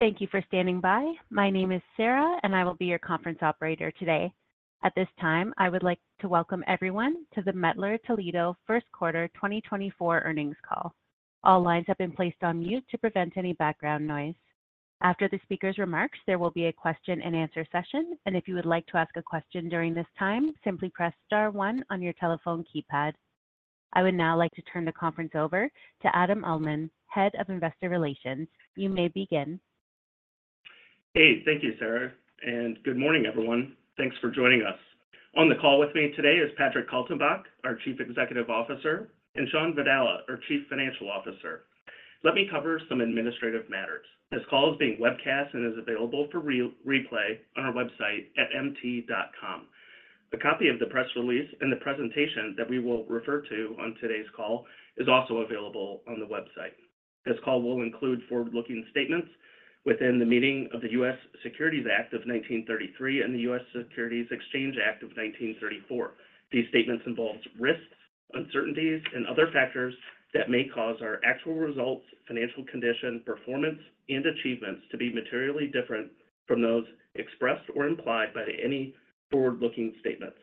Thank you for standing by. My name is Sarah, and I will be your conference operator today. At this time, I would like to welcome everyone to the Mettler-Toledo First Quarter 2024 earnings call. All lines have been placed on mute to prevent any background noise. After the speaker's remarks, there will be a question-and-answer session, and if you would like to ask a question during this time, simply press star one on your telephone keypad. I would now like to turn the conference over to Adam Uhlman, Head of Investor Relations. You may begin. Hey. Thank you, Sarah, and good morning, everyone. Thanks for joining us. On the call with me today is Patrick Kaltenbach, our Chief Executive Officer, and Shawn Vadala, our Chief Financial Officer. Let me cover some administrative matters. This call is being webcasted and is available for re-replay on our website at mt.com. A copy of the press release and the presentation that we will refer to on today's call is also available on the website. This call will include forward-looking statements within the meaning of the U.S. Securities Act of 1933 and the U.S. Securities Exchange Act of 1934. These statements involve risks, uncertainties, and other factors that may cause our actual results, financial condition, performance, and achievements to be materially different from those expressed or implied by any forward-looking statements.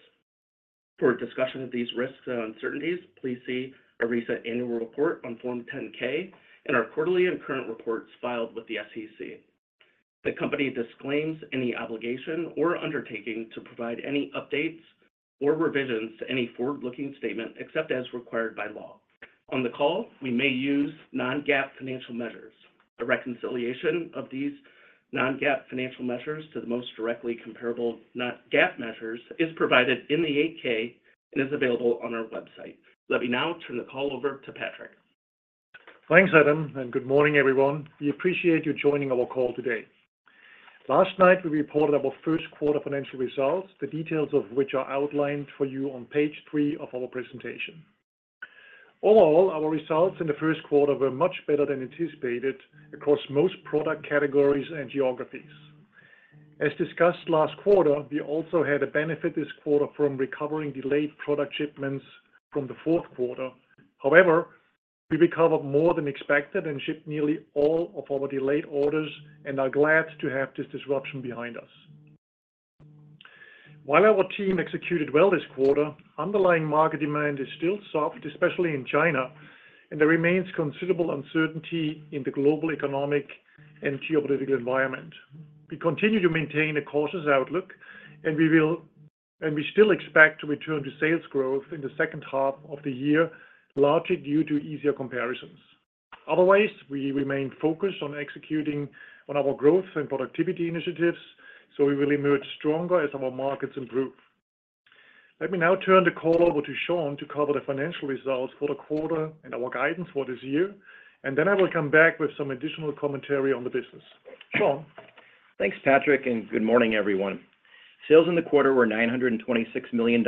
For a discussion of these risks and uncertainties, please see our recent annual report on Form 10-K and our quarterly and current reports filed with the SEC. The company disclaims any obligation or undertaking to provide any updates or revisions to any forward-looking statement, except as required by law. On the call, we may use non-GAAP financial measures. A reconciliation of these non-GAAP financial measures to the most directly comparable GAAP measures is provided in the 8-K and is available on our website. Let me now turn the call over to Patrick. Thanks, Adam, and good morning, everyone. We appreciate you joining our call today. Last night, we reported our first quarter financial results, the details of which are outlined for you on page 3 of our presentation. Overall, our results in the first quarter were much better than anticipated across most product categories and geographies. As discussed last quarter, we also had a benefit this quarter from recovering delayed product shipments from the fourth quarter. However, we recovered more than expected and shipped nearly all of our delayed orders and are glad to have this disruption behind us. While our team executed well this quarter, underlying market demand is still soft, especially in China, and there remains considerable uncertainty in the global, economic, and geopolitical environment. We continue to maintain a cautious outlook, and we still expect to return to sales growth in the second half of the year, largely due to easier comparisons. Otherwise, we remain focused on executing on our growth and productivity initiatives, so we will emerge stronger as our markets improve. Let me now turn the call over to Shawn to cover the financial results for the quarter and our guidance for this year, and then I will come back with some additional commentary on the business. Shawn? Thanks, Patrick, and good morning, everyone. Sales in the quarter were $926 million,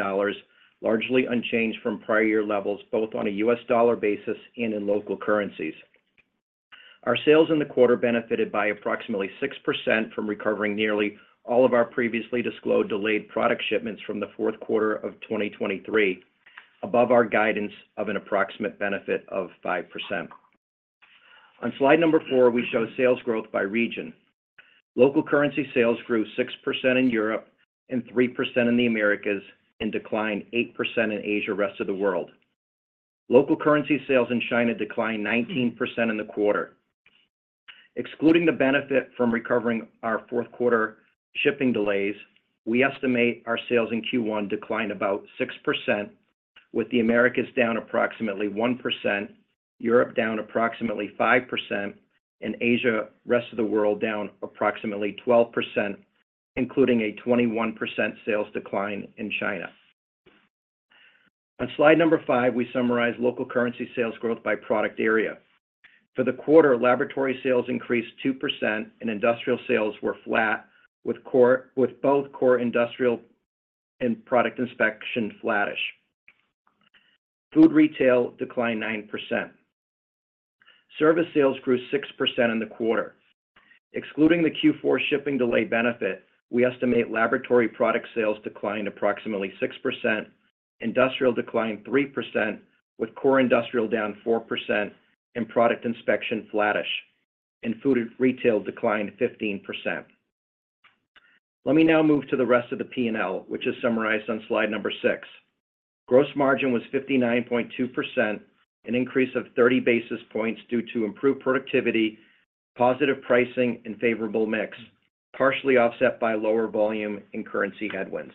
largely unchanged from prior year levels, both on a U.S. dollar basis and in local currencies. Our sales in the quarter benefited by approximately 6% from recovering nearly all of our previously disclosed delayed product shipments from the fourth quarter of 2023, above our guidance of an approximate benefit of 5%. On slide number 4, we show sales growth by region. Local currency sales grew 6% in Europe and 3% in the Americas, and declined 8% in Asia, rest of the world. Local currency sales in China declined 19% in the quarter. Excluding the benefit from recovering our fourth quarter shipping delays, we estimate our sales in Q1 declined about 6%, with the Americas down approximately 1%, Europe down approximately 5%, and Asia, rest of the world down approximately 12%, including a 21% sales decline in China. On slide 5, we summarize local currency sales growth by product area. For the quarter, Laboratory sales increased 2%, and Industrial sales were flat, with both Core Industrial and Product Inspection flattish. Food Retail declined 9%. Service sales grew 6% in the quarter. Excluding the Q4 shipping delay benefit, we estimate Laboratory product sales declined approximately 6%, Industrial declined 3%, with Core Industrial down 4% and Product Inspection flattish, and Food Retail declined 15%. Let me now move to the rest of the P&L, which is summarized on slide 6. Gross margin was 59.2%, an increase of 30 basis points due to improved productivity, positive pricing, and favorable mix, partially offset by lower volume and currency headwinds.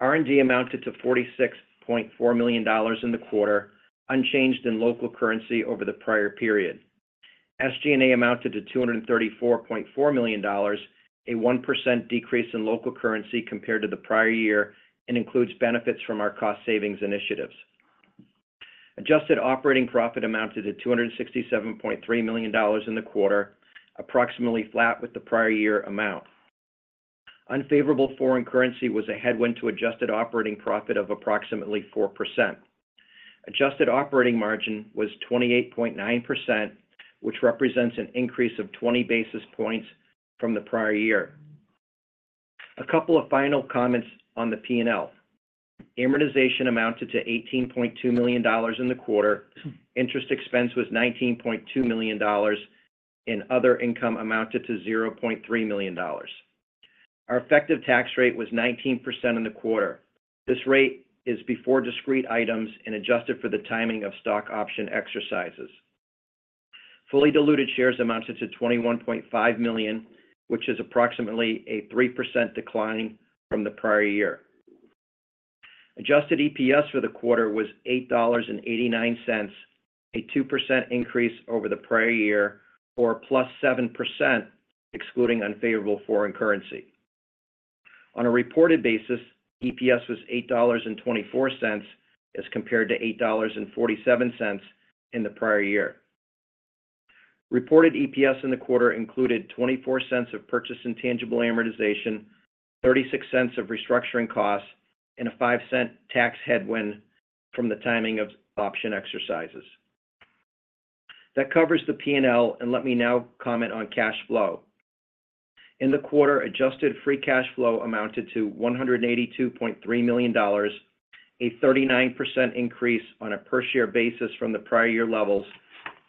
R&D amounted to $46.4 million in the quarter, unchanged in local currency over the prior period. SG&A amounted to $234.4 million, a 1% decrease in local currency compared to the prior year, and includes benefits from our cost savings initiatives. Adjusted operating profit amounted to $267.3 million in the quarter, approximately flat with the prior year amount. Unfavorable foreign currency was a headwind to adjusted operating profit of approximately 4%. Adjusted operating margin was 28.9%, which represents an increase of 20 basis points from the prior year. A couple of final comments on the P&L. Amortization amounted to $18.2 million in the quarter, interest expense was $19.2 million, and other income amounted to $0.3 million. Our effective tax rate was 19% in the quarter. This rate is before discrete items and adjusted for the timing of stock option exercises. Fully diluted shares amounted to 21.5 million, which is approximately a 3% decline from the prior year. Adjusted EPS for the quarter was $8.89, a 2% increase over the prior year, or 7%+, excluding unfavorable foreign currency. On a reported basis, EPS was $8.24, as compared to $8.47 in the prior year. Reported EPS in the quarter included $0.24 of purchased intangible amortization, $0.36 of restructuring costs, and a $0.05 tax headwind from the timing of option exercises. That covers the P&L, and let me now comment on cash flow. In the quarter, adjusted free cash flow amounted to $182.3 million, a 39% increase on a per-share basis from the prior year levels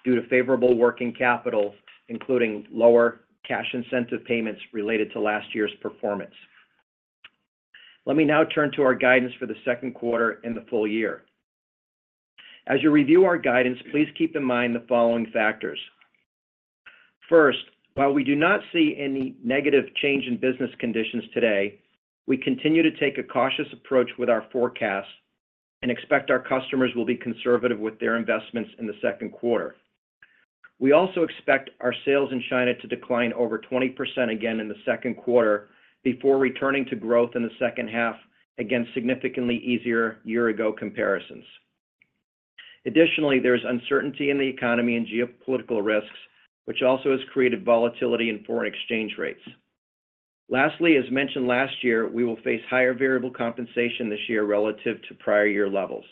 due to favorable working capital, including lower cash incentive payments related to last year's performance. Let me now turn to our guidance for the second quarter and the full year. As you review our guidance, please keep in mind the following factors. First, while we do not see any negative change in business conditions today, we continue to take a cautious approach with our forecast and expect our customers will be conservative with their investments in the second quarter. We also expect our sales in China to decline over 20% again in the second quarter before returning to growth in the second half, again, significantly easier year-ago comparisons. Additionally, there's uncertainty in the economy and geopolitical risks, which also has created volatility in foreign exchange rates. Lastly, as mentioned last year, we will face higher variable compensation this year relative to prior year levels.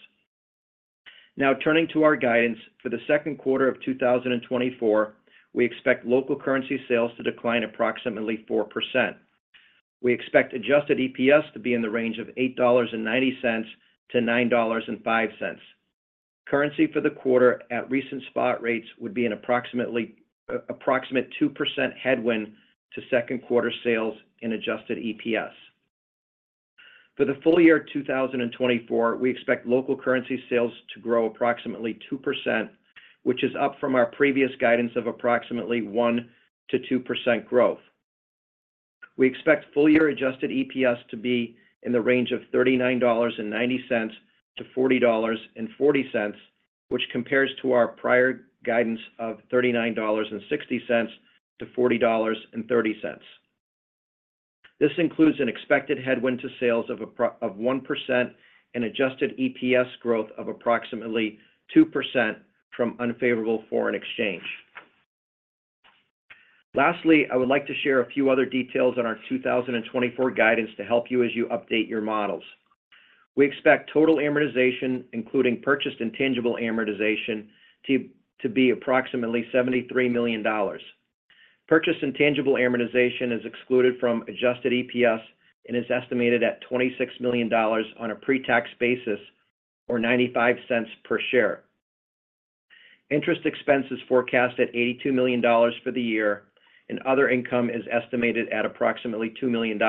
Now, turning to our guidance. For the second quarter of 2024, we expect local currency sales to decline approximately 4%. We expect adjusted EPS to be in the range of $8.90-$9.05. Currency for the quarter at recent spot rates would be an approximate 2% headwind to second quarter sales and adjusted EPS. For the full year 2024, we expect local currency sales to grow approximately 2%, which is up from our previous guidance of approximately 1%-2% growth. We expect full-year adjusted EPS to be in the range of $39.90-$40.40, which compares to our prior guidance of $39.60-$40.30. This includes an expected headwind to sales of 1% and adjusted EPS growth of approximately 2% from unfavorable foreign exchange. Lastly, I would like to share a few other details on our 2024 guidance to help you as you update your models. We expect total amortization, including purchased intangible amortization, to be approximately $73 million. Purchased intangible amortization is excluded from Adjusted EPS and is estimated at $26 million on a pre-tax basis, or $0.95 per share. Interest expense is forecast at $82 million for the year, and other income is estimated at approximately $2 million.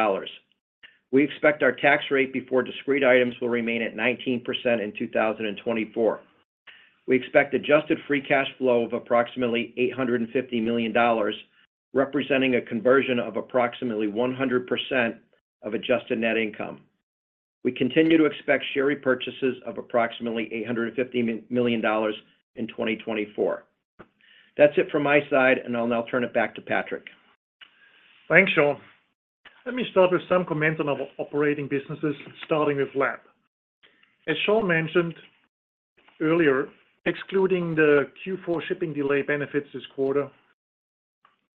We expect our tax rate before discrete items will remain at 19% in 2024. We expect Adjusted Free Cash Flow of approximately $850 million, representing a conversion of approximately 100% of adjusted net income. We continue to expect share repurchases of approximately $850 million in 2024. That's it from my side, and I'll now turn it back to Patrick. Thanks, Shawn. Let me start with some comments on our operating businesses, starting with lab. As Shawn mentioned earlier, excluding the Q4 shipping delay benefits this quarter,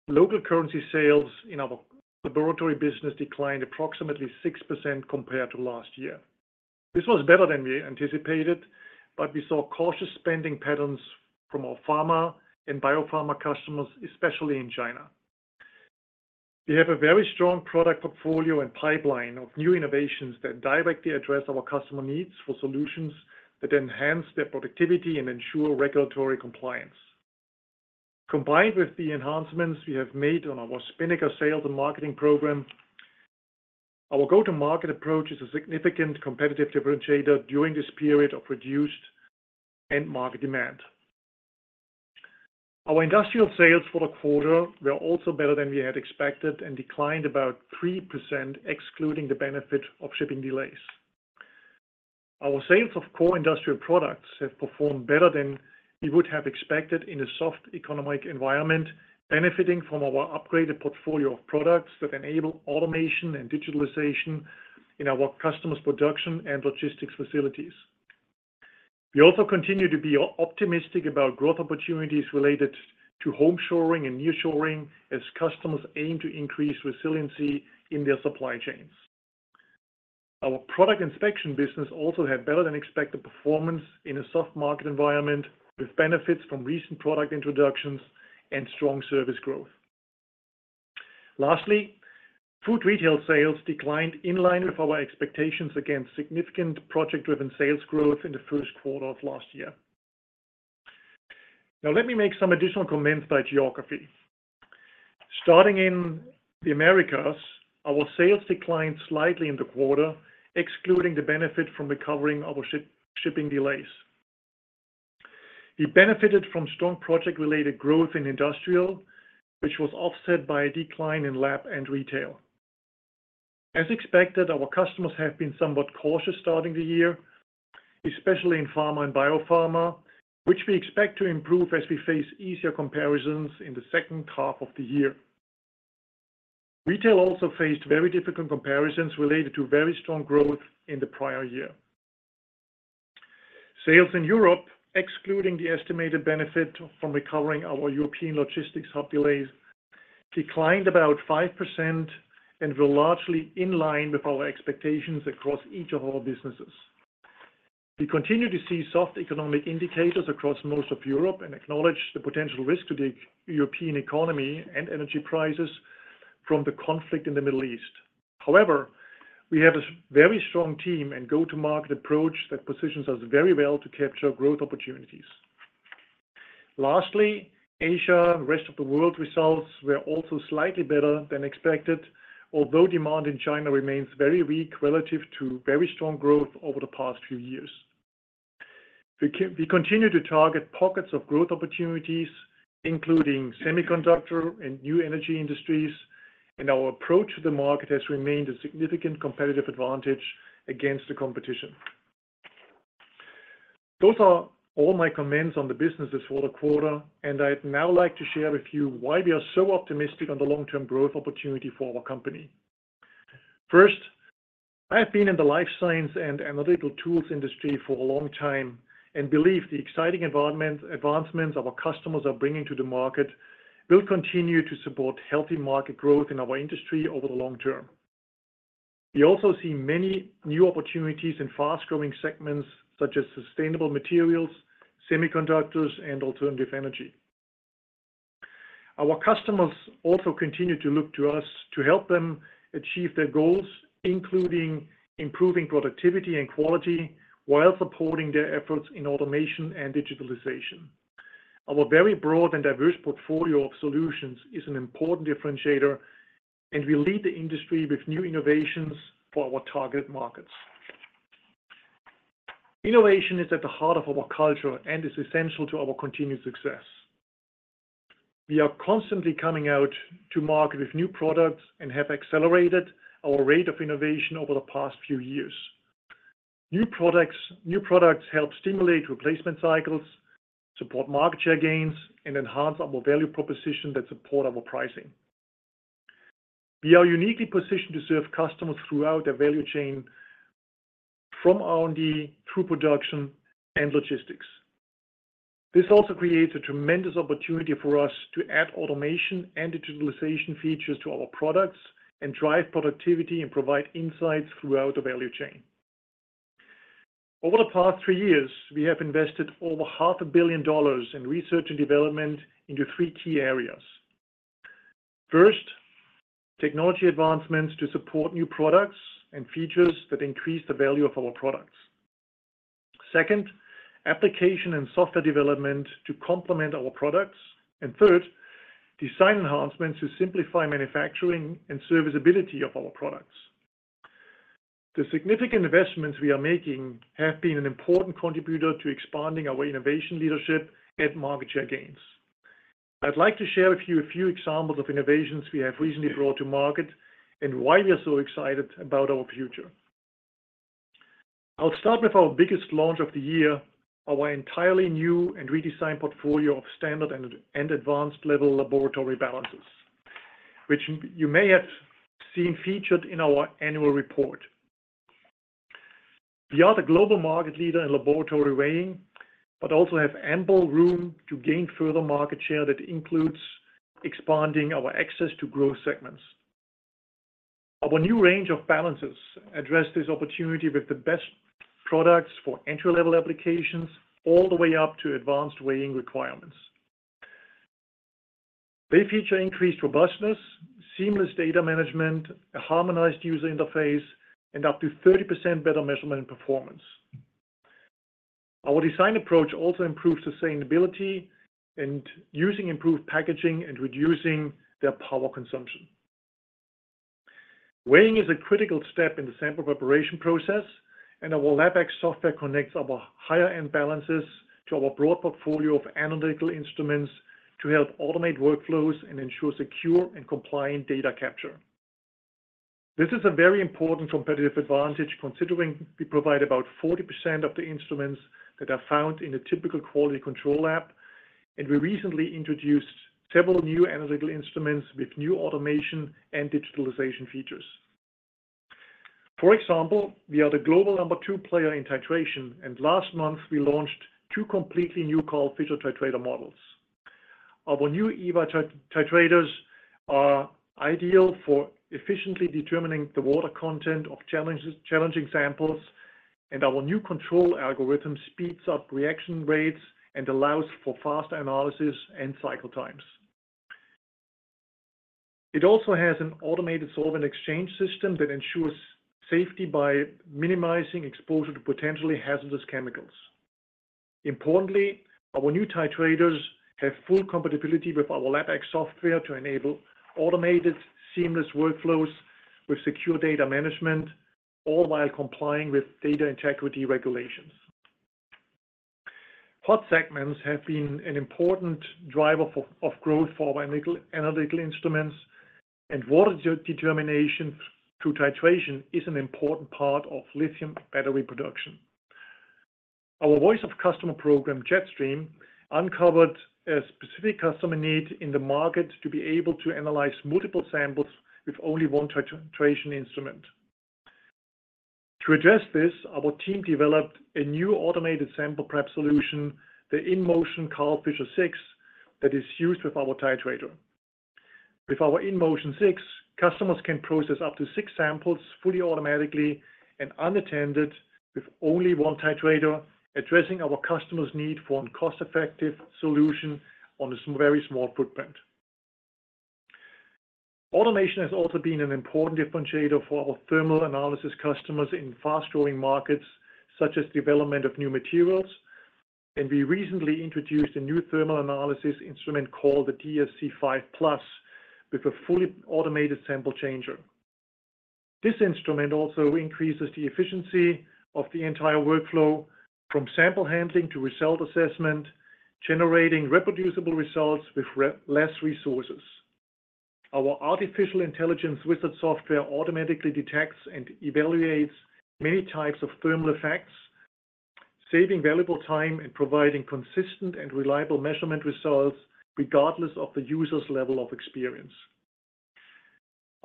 local currency sales in our laboratory business declined approximately 6% compared to last year. This was better than we anticipated, but we saw cautious spending patterns from our pharma and biopharma customers, especially in China. We have a very strong product portfolio and pipeline of new innovations that directly address our customer needs for solutions that enhance their productivity and ensure regulatory compliance. Combined with the enhancements we have made on our Spinnaker sales and marketing program, our go-to-market approach is a significant competitive differentiator during this period of reduced end market demand. Our industrial sales for the quarter were also better than we had expected and declined about 3%, excluding the benefit of shipping delays. Our sales of core industrial products have performed better than we would have expected in a soft economic environment, benefiting from our upgraded portfolio of products that enable automation and digitalization in our customers' production and logistics facilities. We also continue to be optimistic about growth opportunities related to home shoring and nearshoring, as customers aim to increase resiliency in their supply chains. Our product inspection business also had better than expected performance in a soft market environment, with benefits from recent product introductions and strong service growth. Lastly, food retail sales declined in line with our expectations against significant project-driven sales growth in the first quarter of last year. Now, let me make some additional comments by geography. Starting in the Americas, our sales declined slightly in the quarter, excluding the benefit from recovering our shipping delays. We benefited from strong project-related growth in industrial, which was offset by a decline in lab and retail. As expected, our customers have been somewhat cautious starting the year, especially in pharma and biopharma, which we expect to improve as we face easier comparisons in the second half of the year. Retail also faced very difficult comparisons related to very strong growth in the prior year. Sales in Europe, excluding the estimated benefit from recovering our European logistics hub delays, declined about 5% and were largely in line with our expectations across each of our businesses. We continue to see soft economic indicators across most of Europe and acknowledge the potential risk to the European economy and energy prices from the conflict in the Middle East. However, we have a very strong team and go-to-market approach that positions us very well to capture growth opportunities. Lastly, Asia and rest of the world results were also slightly better than expected, although demand in China remains very weak relative to very strong growth over the past few years. We continue to target pockets of growth opportunities, including semiconductor and new energy industries, and our approach to the market has remained a significant competitive advantage against the competition. Those are all my comments on the businesses for the quarter, and I'd now like to share with you why we are so optimistic on the long-term growth opportunity for our company. First, I have been in the life science and analytical tools industry for a long time and believe the exciting advancements our customers are bringing to the market will continue to support healthy market growth in our industry over the long term. We also see many new opportunities in fast-growing segments such as sustainable materials, semiconductors, and alternative energy. Our customers also continue to look to us to help them achieve their goals, including improving productivity and quality while supporting their efforts in automation and digitalization. Our very broad and diverse portfolio of solutions is an important differentiator, and we lead the industry with new innovations for our target markets. Innovation is at the heart of our culture and is essential to our continued success. We are constantly coming out to market with new products and have accelerated our rate of innovation over the past few years. New products, new products help stimulate replacement cycles, support market share gains, and enhance our value proposition that support our pricing. We are uniquely positioned to serve customers throughout their value chain, from R&D through production and logistics. This also creates a tremendous opportunity for us to add automation and digitalization features to our products and drive productivity and provide insights throughout the value chain. Over the past three years, we have invested over $500 million in research and development into three key areas. First, technology advancements to support new products and features that increase the value of our products. Second, application and software development to complement our products. And third, design enhancements to simplify manufacturing and serviceability of our products. The significant investments we are making have been an important contributor to expanding our innovation leadership and market share gains. I'd like to share with you a few examples of innovations we have recently brought to market and why we are so excited about our future. I'll start with our biggest launch of the year, our entirely new and redesigned portfolio of standard and advanced level laboratory balances, which you may have seen featured in our annual report. We are the global market leader in laboratory weighing, but also have ample room to gain further market share that includes expanding our access to growth segments. Our new range of balances address this opportunity with the best products for entry-level applications, all the way up to advanced weighing requirements. They feature increased robustness, seamless data management, a harmonized user interface, and up to 30% better measurement and performance. Our design approach also improves sustainability and using improved packaging and reducing their power consumption. Weighing is a critical step in the sample preparation process, and our LabX software connects our higher-end balances to our broad portfolio of analytical instruments to help automate workflows and ensure secure and compliant data capture. This is a very important competitive advantage, considering we provide about 40% of the instruments that are found in a typical quality control lab, and we recently introduced several new analytical instruments with new automation and digitalization features. For example, we are the global number two player in titration, and last month, we launched 2 completely new Karl Fischer Titrator models. Our new EVA titrators are ideal for efficiently determining the water content of challenging samples, and our new control algorithm speeds up reaction rates and allows for faster analysis and cycle times. It also has an automated solvent exchange system that ensures safety by minimizing exposure to potentially hazardous chemicals. Importantly, our new titrators have full compatibility with our LabX software to enable automated, seamless workflows with secure data management, all while complying with data integrity regulations. Hot segments have been an important driver of growth for our analytical instruments, and water determination through titration is an important part of lithium battery production. Our Voice of Customer program, JetStream, uncovered a specific customer need in the market to be able to analyze multiple samples with only one titration instrument. To address this, our team developed a new automated sample prep solution, the InMotion Karl Fischer six, that is used with our titrator. With our InMotion six, customers can process up to six samples fully, automatically, and unattended with only one titrator, addressing our customer's need for a cost-effective solution on a very small footprint. Automation has also been an important differentiator for our thermal analysis customers in fast-growing markets, such as development of new materials, and we recently introduced a new thermal analysis instrument called the DSC 5+, with a fully automated sample changer. This instrument also increases the efficiency of the entire workflow, from sample handling to result assessment, generating reproducible results with fewer resources. Our artificial intelligence wizard software automatically detects and evaluates many types of thermal effects, saving valuable time and providing consistent and reliable measurement results, regardless of the user's level of experience.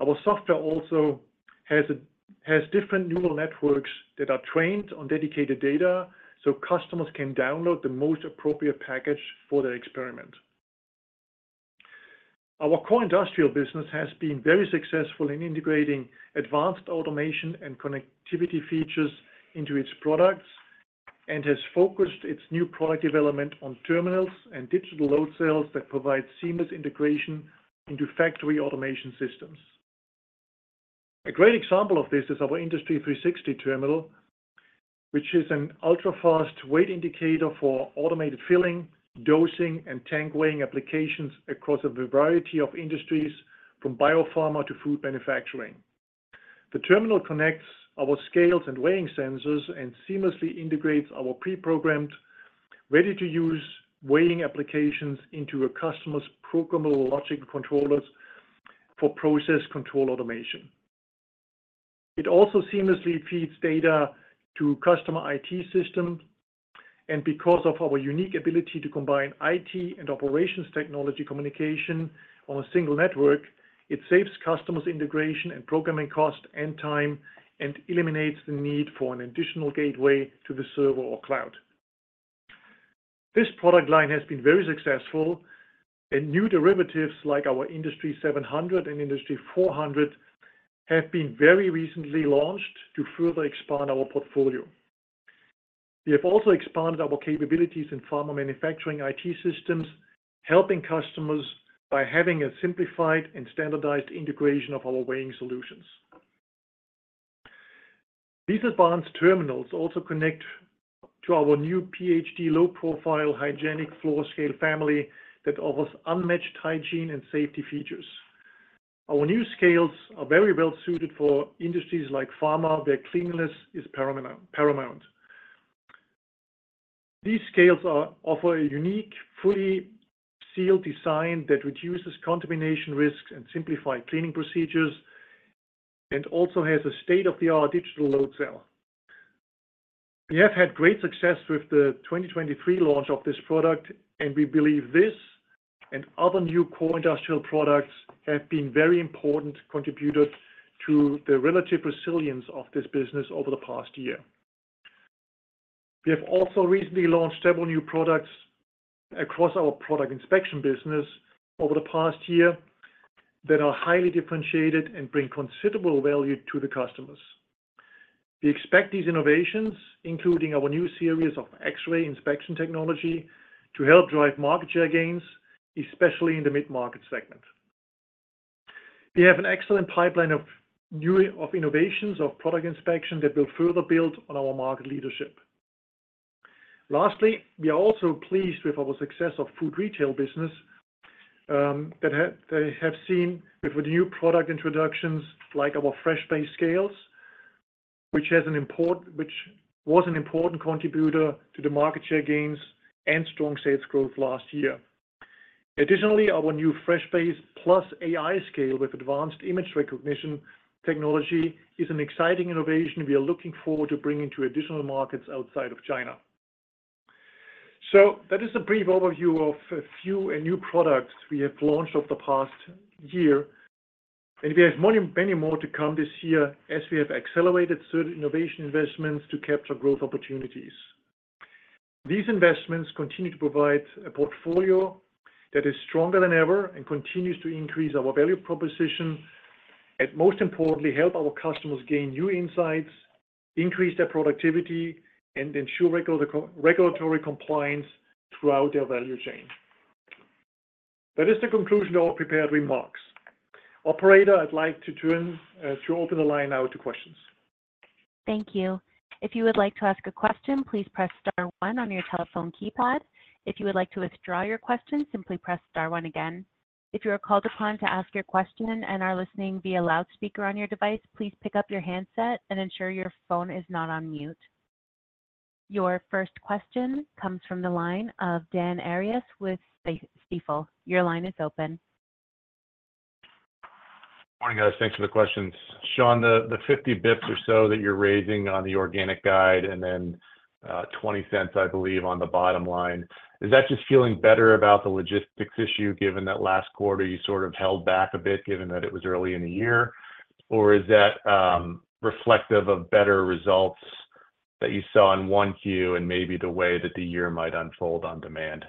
Our software also has different neural networks that are trained on dedicated data, so customers can download the most appropriate package for their experiment. Our Core Industrial business has been very successful in integrating advanced automation and connectivity features into its products, and has focused its new product development on terminals and digital load cells that provide seamless integration into factory automation systems. A great example of this is our IND360 terminal, which is an ultra-fast weight indicator for automated filling, dosing, and tank weighing applications across a variety of industries, from biopharma to food manufacturing. The terminal connects our scales and weighing sensors and seamlessly integrates our pre-programmed, ready-to-use weighing applications into a customer's programmable logic controllers for process control automation. It also seamlessly feeds data to customer IT systems, and because of our unique ability to combine IT and operations technology communication on a single network, it saves customers integration and programming cost and time, and eliminates the need for an additional gateway to the server or cloud. This product line has been very successful, and new derivatives, like our IND700 and IND400, have been very recently launched to further expand our portfolio. We have also expanded our capabilities in pharma manufacturing IT systems, helping customers by having a simplified and standardized integration of our weighing solutions. These advanced terminals also connect to our new PFD low-profile, hygienic floor scale family that offers unmatched hygiene and safety features. Our new scales are very well suited for industries like pharma, where cleanliness is paramount. These scales offer a unique, fully sealed design that reduces contamination risks and simplify cleaning procedures, and also has a state-of-the-art digital load cell. We have had great success with the 2023 launch of this product, and we believe this and other new Core Industrial products have been very important contributors to the relative resilience of this business over the past year. We have also recently launched several new products across our Product Inspection business over the past year that are highly differentiated and bring considerable value to the customers. We expect these innovations, including our new series of X-ray inspection technology, to help drive market share gains, especially in the mid-market segment. We have an excellent pipeline of new innovations of Product Inspection that will further build on our market leadership. Lastly, we are also pleased with our success of Food Retail business that they have seen with the new product introductions, like our FreshBase scales, which was an important contributor to the market share gains and strong sales growth last year. Additionally, our new FreshBase Plus AI scale with advanced image recognition technology is an exciting innovation we are looking forward to bringing to additional markets outside of China. So that is a brief overview of a few new products we have launched over the past year... and we have many, many more to come this year as we have accelerated certain innovation investments to capture growth opportunities. These investments continue to provide a portfolio that is stronger than ever and continues to increase our value proposition, and most importantly, help our customers gain new insights, increase their productivity, and ensure regulatory compliance throughout their value chain. That is the conclusion of our prepared remarks. Operator, I'd like to turn to open the line now to questions. Thank you. If you would like to ask a question, please press star one on your telephone keypad. If you would like to withdraw your question, simply press star one again. If you are called upon to ask your question and are listening via loudspeaker on your device, please pick up your handset and ensure your phone is not on mute. Your first question comes from the line of Dan Arias with Stifel. Your line is open. Morning, guys. Thanks for the questions. Shawn, the 50 basis points or so that you're raising on the organic guide, and then $0.20, I believe, on the bottom line, is that just feeling better about the logistics issue, given that last quarter you sort of held back a bit, given that it was early in the year? Or is that reflective of better results that you saw in 1Q and maybe the way that the year might unfold on demand?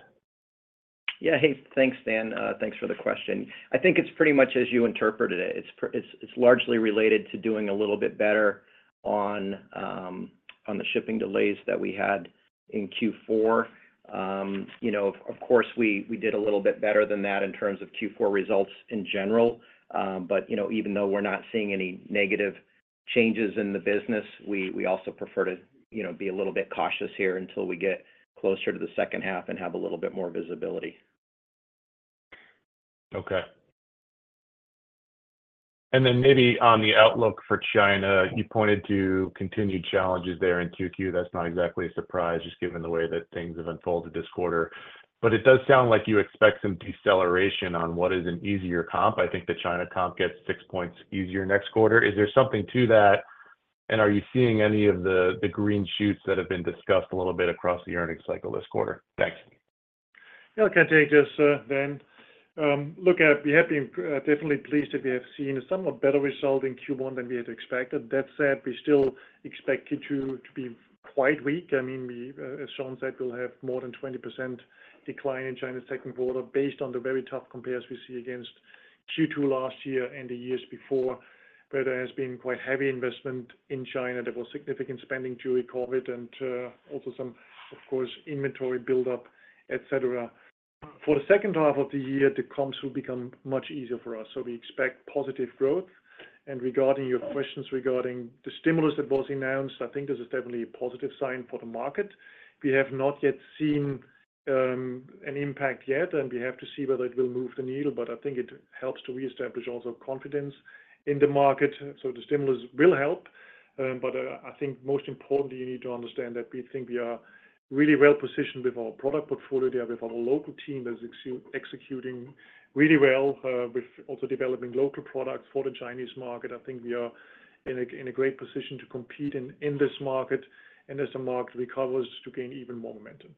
Yeah. Hey, thanks, Dan. Thanks for the question. I think it's pretty much as you interpreted it. It's, it's largely related to doing a little bit better on the shipping delays that we had in Q4. You know, of course, we did a little bit better than that in terms of Q4 results in general. But, you know, even though we're not seeing any negative changes in the business, we also prefer to be a little bit cautious here until we get closer to the second half and have a little bit more visibility. Okay. And then maybe on the outlook for China, you pointed to continued challenges there in Q2. That's not exactly a surprise, just given the way that things have unfolded this quarter. But it does sound like you expect some deceleration on what is an easier comp. I think the China comp gets six points easier next quarter. Is there something to that, and are you seeing any of the green shoots that have been discussed a little bit across the earnings cycle this quarter? Thanks. Yeah, I can take this, Dan. Look, we have been definitely pleased that we have seen a somewhat better result in Q1 than we had expected. That said, we still expect Q2 to be quite weak. I mean, as Shawn said, we'll have more than 20% decline in China second quarter based on the very tough comps we see against Q2 last year and the years before, where there has been quite heavy investment in China. There was significant spending during COVID and also some, of course, inventory buildup, et cetera. For the second half of the year, the comps will become much easier for us, so we expect positive growth. And regarding your questions regarding the stimulus that was announced, I think this is definitely a positive sign for the market. We have not yet seen an impact yet, and we have to see whether it will move the needle, but I think it helps to reestablish also confidence in the market. So the stimulus will help, but I think most importantly, you need to understand that we think we are really well positioned with our product portfolio, with our local team that's executing really well, with also developing local products for the Chinese market. I think we are in a great position to compete in this market, and as the market recovers, to gain even more momentum.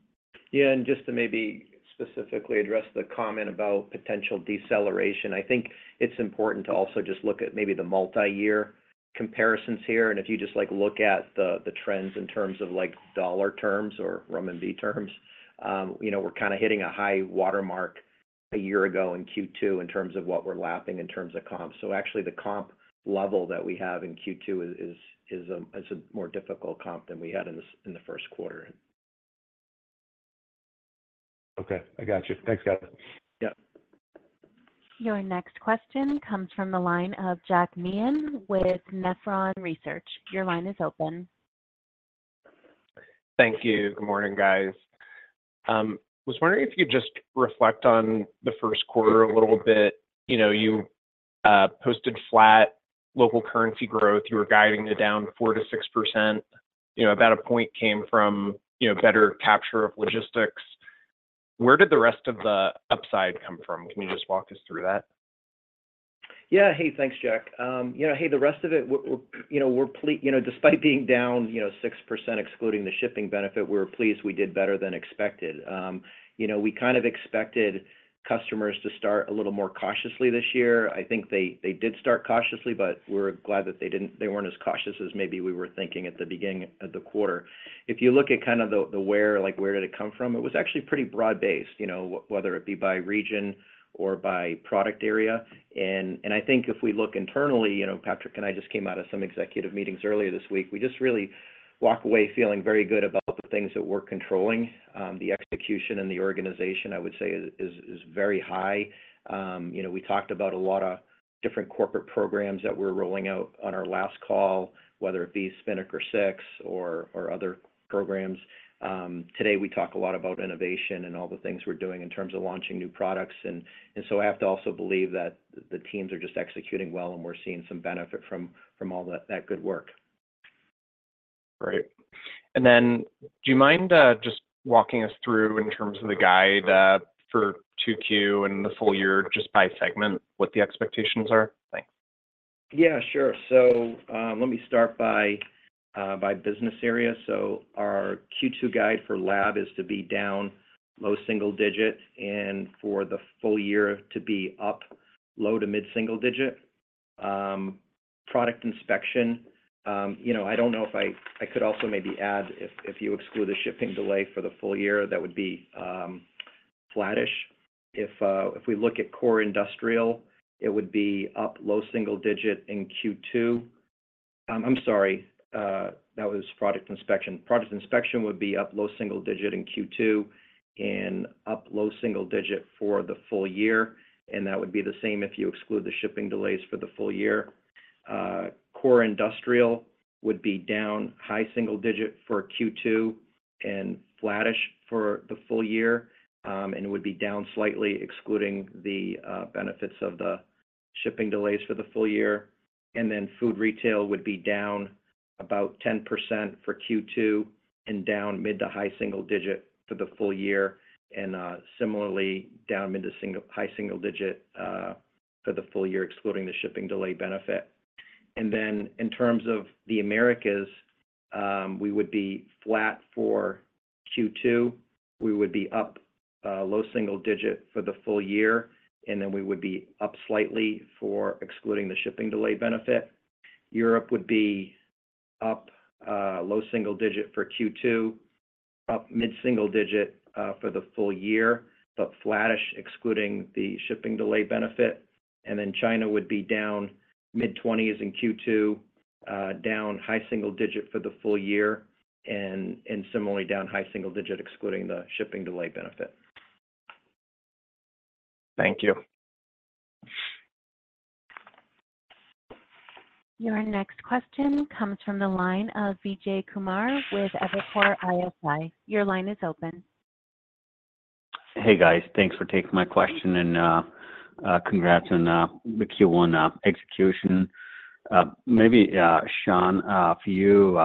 Yeah, and just to maybe specifically address the comment about potential deceleration, I think it's important to also just look at maybe the multiyear comparisons here. And if you just, like, look at the trends in terms of, like, dollar terms or renminbi terms, you know, we're kind of hitting a high watermark a year ago in Q2 in terms of what we're lapping in terms of comps. So actually, the comp level that we have in Q2 is a more difficult comp than we had in the first quarter. Okay, I got you. Thanks, guys. Yeah. Your next question comes from the line of Jack Meehan with Nephron Research. Your line is open. Thank you. Good morning, guys. Was wondering if you'd just reflect on the first quarter a little bit. You know, you posted flat local currency growth. You were guiding it down 4%-6%. You know, about a point came from, you know, better capture of logistics. Where did the rest of the upside come from? Can you just walk us through that? Yeah. Hey, thanks, Jack. You know, hey, the rest of it, we're pleased, you know, despite being down 6%, excluding the shipping benefit, we're pleased we did better than expected. You know, we kind of expected customers to start a little more cautiously this year. I think they did start cautiously, but we're glad that they didn't. They weren't as cautious as maybe we were thinking at the beginning of the quarter. If you look at kind of the where, like, where did it come from? It was actually pretty broad-based, you know, whether it be by region or by product area. And I think if we look internally, you know, Patrick and I just came out of some executive meetings earlier this week, we just really walk away feeling very good about the things that we're controlling. The execution and the organization, I would say is very high. You know, we talked about a lot of different corporate programs that we're rolling out on our last call, whether it be Spinnaker 6 or other programs. Today, we talk a lot about innovation and all the things we're doing in terms of launching new products, and so I have to also believe that the teams are just executing well, and we're seeing some benefit from all that good work. Great. And then do you mind, just walking us through in terms of the guide, for Q2 and the full year, just by segment, what the expectations are? Thanks.... Yeah, sure. So, let me start by, by business area. So our Q2 guide for Lab is to be down low single digit, and for the full year to be up low to mid single digit. Product Inspection, you know, I don't know if I, I could also maybe add, if, if you exclude the shipping delay for the full year, that would be, flattish. If, if we look at Core Industrial, it would be up low single digit in Q2. I'm sorry, that was Product Inspection. Product Inspection would be up low single digit in Q2 and up low single digit for the full year, and that would be the same if you exclude the shipping delays for the full year. Core Industrial would be down high-single-digit for Q2 and flattish for the full year, and it would be down slightly excluding the benefits of the shipping delays for the full year. Then Food Retail would be down about 10% for Q2 and down mid- to high-single-digit for the full year, and similarly, down mid- to high-single-digit for the full year, excluding the shipping delay benefit. Then in terms of the Americas, we would be flat for Q2. We would be up low-single-digit for the full year, and then we would be up slightly excluding the shipping delay benefit. Europe would be up low-single-digit for Q2, up mid-single-digit for the full year, but flattish excluding the shipping delay benefit. Then China would be down mid-20s in Q2, down high single digits for the full year, and, and similarly down high single digits, excluding the shipping delay benefit. Thank you. Your next question comes from the line of Vijay Kumar with Evercore ISI. Your line is open. Hey, guys. Thanks for taking my question, and congrats on the Q1 execution. Maybe, Shawn, for you,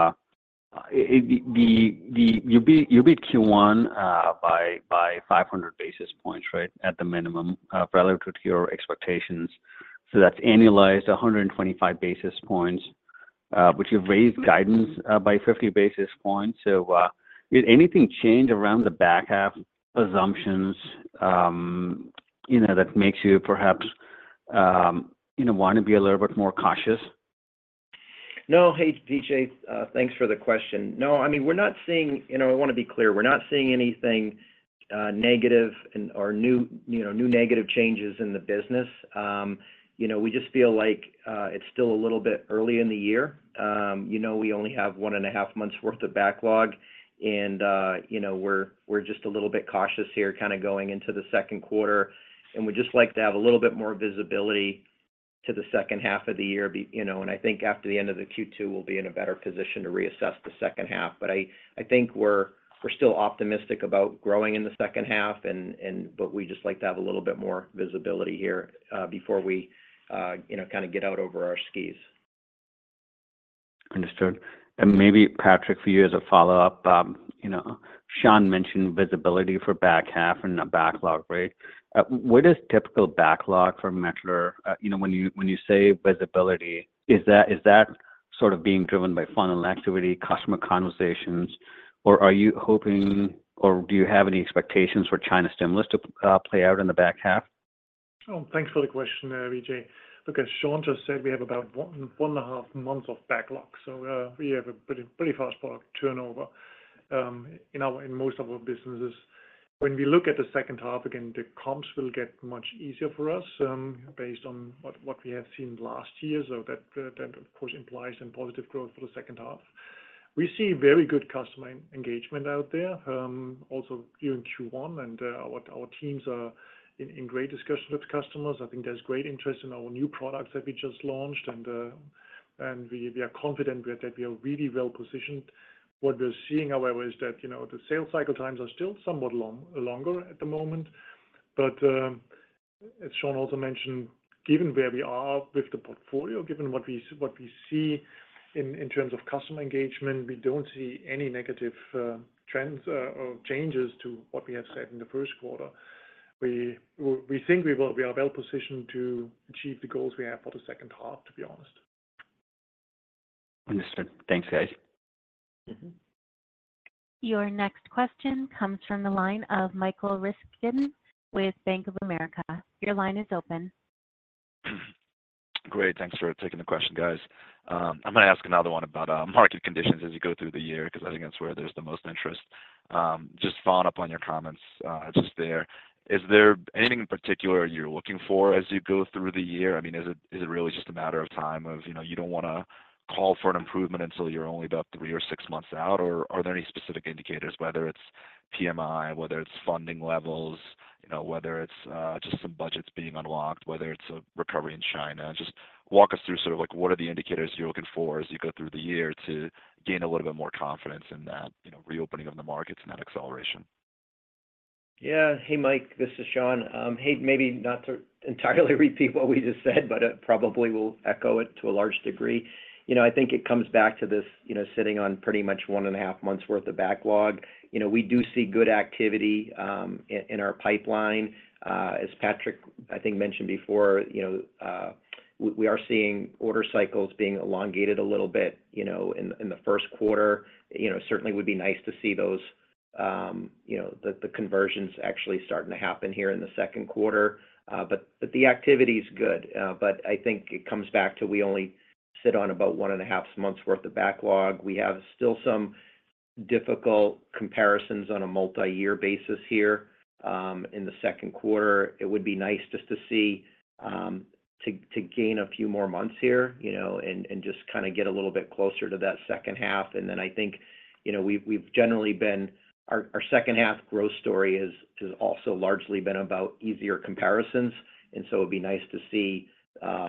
you beat Q1 by 500 basis points, right? At the minimum, relative to your expectations. So that's annualized 125 basis points, which you've raised guidance by 50 basis points. So, did anything change around the back half assumptions, you know, that makes you perhaps want to be a little bit more cautious? No. Hey, Vijay, thanks for the question. No, I mean, we're not seeing... You know, I want to be clear, we're not seeing anything negative and or new, you know, new negative changes in the business. You know, we just feel like it's still a little bit early in the year. You know, we only have one and a half months worth of backlog and, you know, we're just a little bit cautious here, kind of going into the second quarter, and we'd just like to have a little bit more visibility to the second half of the year. You know, and I think after the end of the Q2, we'll be in a better position to reassess the second half. But I think we're still optimistic about growing in the second half and but we'd just like to have a little bit more visibility here before we you know kind of get out over our skis. Understood. And maybe, Patrick, for you as a follow-up, you know, Shawn mentioned visibility for back half and a backlog, right? What is typical backlog for Mettler? You know, when you, when you say visibility, is that, is that sort of being driven by funnel activity, customer conversations, or are you hoping, or do you have any expectations for China stimulus to play out in the back half? Oh, thanks for the question there, Vijay. Look, as Shawn just said, we have about 1.5 months of backlog, so we have a pretty, pretty fast product turnover in most of our businesses. When we look at the second half, again, the comps will get much easier for us based on what we have seen last year. So that, of course, implies some positive growth for the second half. We see very good customer engagement out there, also here in Q1, and our teams are in great discussion with customers. I think there's great interest in our new products that we just launched, and we are confident that we are really well positioned. What we're seeing, however, is that, you know, the sales cycle times are still somewhat long, longer at the moment, but, as Shawn also mentioned, given where we are with the portfolio, given what we see in terms of customer engagement, we don't see any negative trends or changes to what we have said in the first quarter. We think we will. We are well positioned to achieve the goals we have for the second half, to be honest. Understood. Thanks, guys. Mm-hmm. Your next question comes from the line of Michael Ryskin with Bank of America. Your line is open. Great, thanks for taking the question, guys. I'm gonna ask another one about market conditions as you go through the year, 'cause I think that's where there's the most interest. Just following up on your comments just there, is there anything in particular you're looking for as you go through the year? I mean, is it really just a matter of time, you know, you don't wanna call for an improvement until you're only about 3 or 6 months out? Or are there any specific indicators, whether it's PMI, whether it's funding levels, you know, whether it's just some budgets being unlocked, whether it's a recovery in China? Just walk us through sort of like what are the indicators you're looking for as you go through the year to gain a little bit more confidence in that, you know, reopening of the markets and that acceleration? ... Yeah. Hey, Mike, this is Sean. Hey, maybe not to entirely repeat what we just said, but probably will echo it to a large degree. You know, I think it comes back to this, you know, sitting on pretty much one and a half months worth of backlog. You know, we do see good activity in our pipeline. As Patrick, I think, mentioned before, you know, we are seeing order cycles being elongated a little bit, you know, in the first quarter. You know, certainly would be nice to see those conversions actually starting to happen here in the second quarter. But the activity is good, but I think it comes back to we only sit on about one and a half months worth of backlog. We have still some difficult comparisons on a multi-year basis here in the second quarter. It would be nice just to see, to gain a few more months here, you know, and just kinda get a little bit closer to that second half. And then I think, you know, we've generally been. Our second half growth story is also largely been about easier comparisons, and so it'll be nice to see,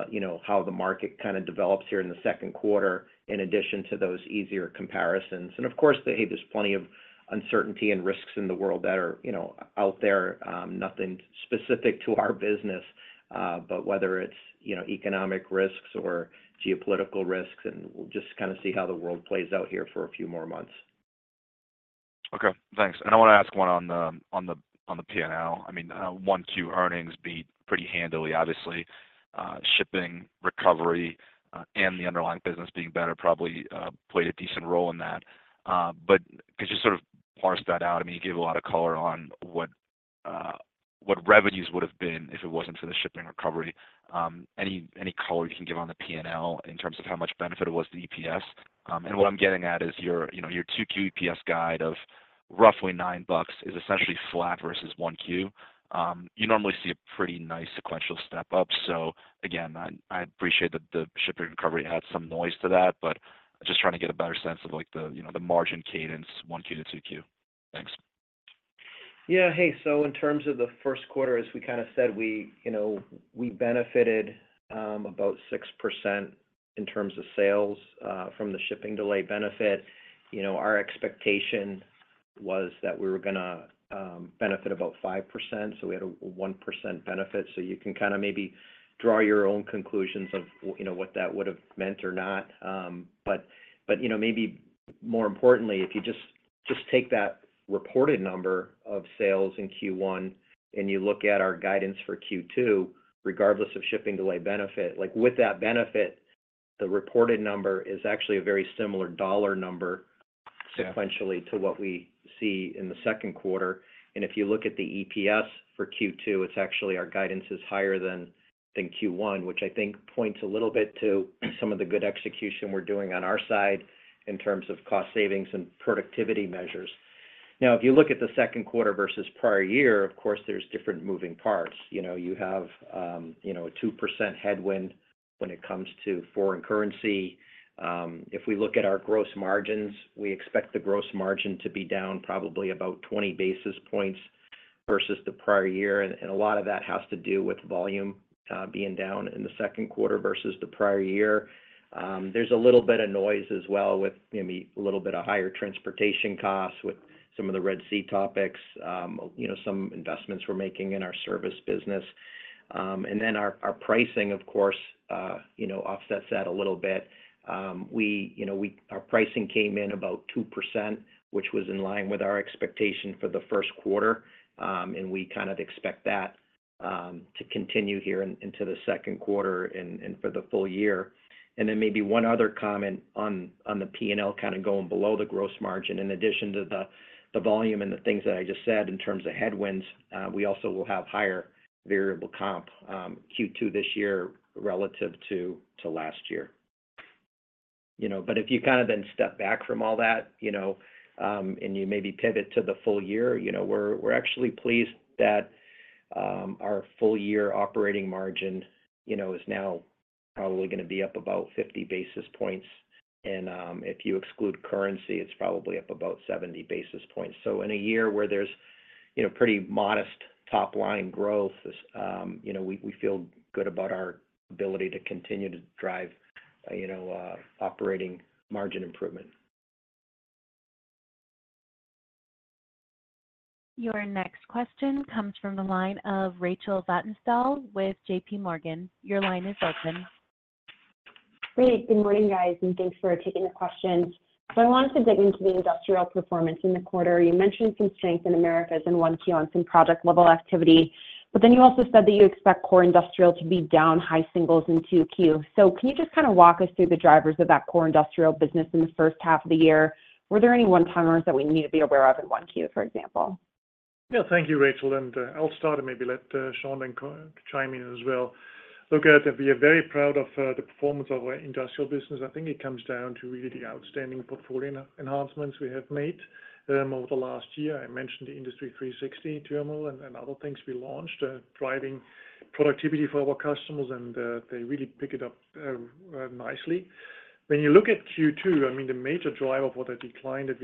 you know, how the market kinda develops here in the second quarter, in addition to those easier comparisons. And of course, hey, there's plenty of uncertainty and risks in the world that are, you know, out there, nothing specific to our business, but whether it's, you know, economic risks or geopolitical risks, and we'll just kinda see how the world plays out here for a few more months. Okay, thanks. And I wanna ask one on the P&L. I mean, 1Q earnings beat pretty handily. Obviously, shipping recovery and the underlying business being better probably played a decent role in that. But could you sort of parse that out? I mean, you gave a lot of color on what revenues would have been if it wasn't for the shipping recovery. Any color you can give on the P&L in terms of how much benefit it was to the EPS? And what I'm getting at is your, you know, your 2Q EPS guide of roughly $9 is essentially flat versus 1Q. You normally see a pretty nice sequential step up, so again, I appreciate that the shipping recovery adds some noise to that, but just trying to get a better sense of, like, you know, the margin cadence, 1Q to 2Q. Thanks. Yeah. Hey, so in terms of the first quarter, as we kinda said, we, you know, we benefited, about 6% in terms of sales, from the shipping delay benefit. You know, our expectation was that we were gonna, benefit about 5%, so we had a 1% benefit. So you can kinda maybe draw your own conclusions of, you know, what that would have meant or not. But, you know, maybe more importantly, if you just, just take that reported number of sales in Q1, and you look at our guidance for Q2, regardless of shipping delay benefit, like, with that benefit, the reported number is actually a very similar dollar number- Yeah... sequentially to what we see in the second quarter. And if you look at the EPS for Q2, it's actually our guidance is higher than, than Q1, which I think points a little bit to some of the good execution we're doing on our side in terms of cost savings and productivity measures. Now, if you look at the second quarter versus prior year, of course, there's different moving parts. You know, you have, you know, a 2% headwind when it comes to foreign currency. If we look at our gross margins, we expect the gross margin to be down probably about 20 basis points versus the prior year, and, and a lot of that has to do with volume, being down in the second quarter versus the prior year. There's a little bit of noise as well, with, maybe a little bit of higher transportation costs with some of the Red Sea topics, you know, some investments we're making in our service business. And then our, our pricing, of course, you know, offsets that a little bit. We, you know, we-- our pricing came in about 2%, which was in line with our expectation for the first quarter, and we kind of expect that, to continue here in, into the second quarter and, and for the full year. And then maybe one other comment on, on the P&L, kinda going below the gross margin. In addition to the, the volume and the things that I just said in terms of headwinds, we also will have higher variable comp, Q2 this year relative to, to last year. You know, but if you kinda then step back from all that, you know, and you maybe pivot to the full year, you know, we're, we're actually pleased that, our full year operating margin, you know, is now probably gonna be up about 50 basis points, and, if you exclude currency, it's probably up about 70 basis points. So in a year where there's, you know, pretty modest top-line growth, you know, we, we feel good about our ability to continue to drive, you know, operating margin improvement. Your next question comes from the line of Rachel Vatnsdal with J.P. Morgan. Your line is open. Great. Good morning, guys, and thanks for taking the questions. So I wanted to dig into the industrial performance in the quarter. You mentioned some strength in Americas in 1Q on some project level activity, but then you also said that you expect Core Industrial to be down high singles in 2Q. So can you just kinda walk us through the drivers of that Core Industrial business in the first half of the year? Were there any one-timers that we need to be aware of in 1Q, for example? Yeah. Thank you, Rachel, and I'll start and maybe let Sean then co-chime in as well. Look, we are very proud of the performance of our industrial business. I think it comes down to really the outstanding portfolio enhancements we have made over the last year. I mentioned the IND360 terminal and other things we launched, driving productivity for our customers, and they really pick it up nicely. When you look at Q2, I mean, the major driver for the decline that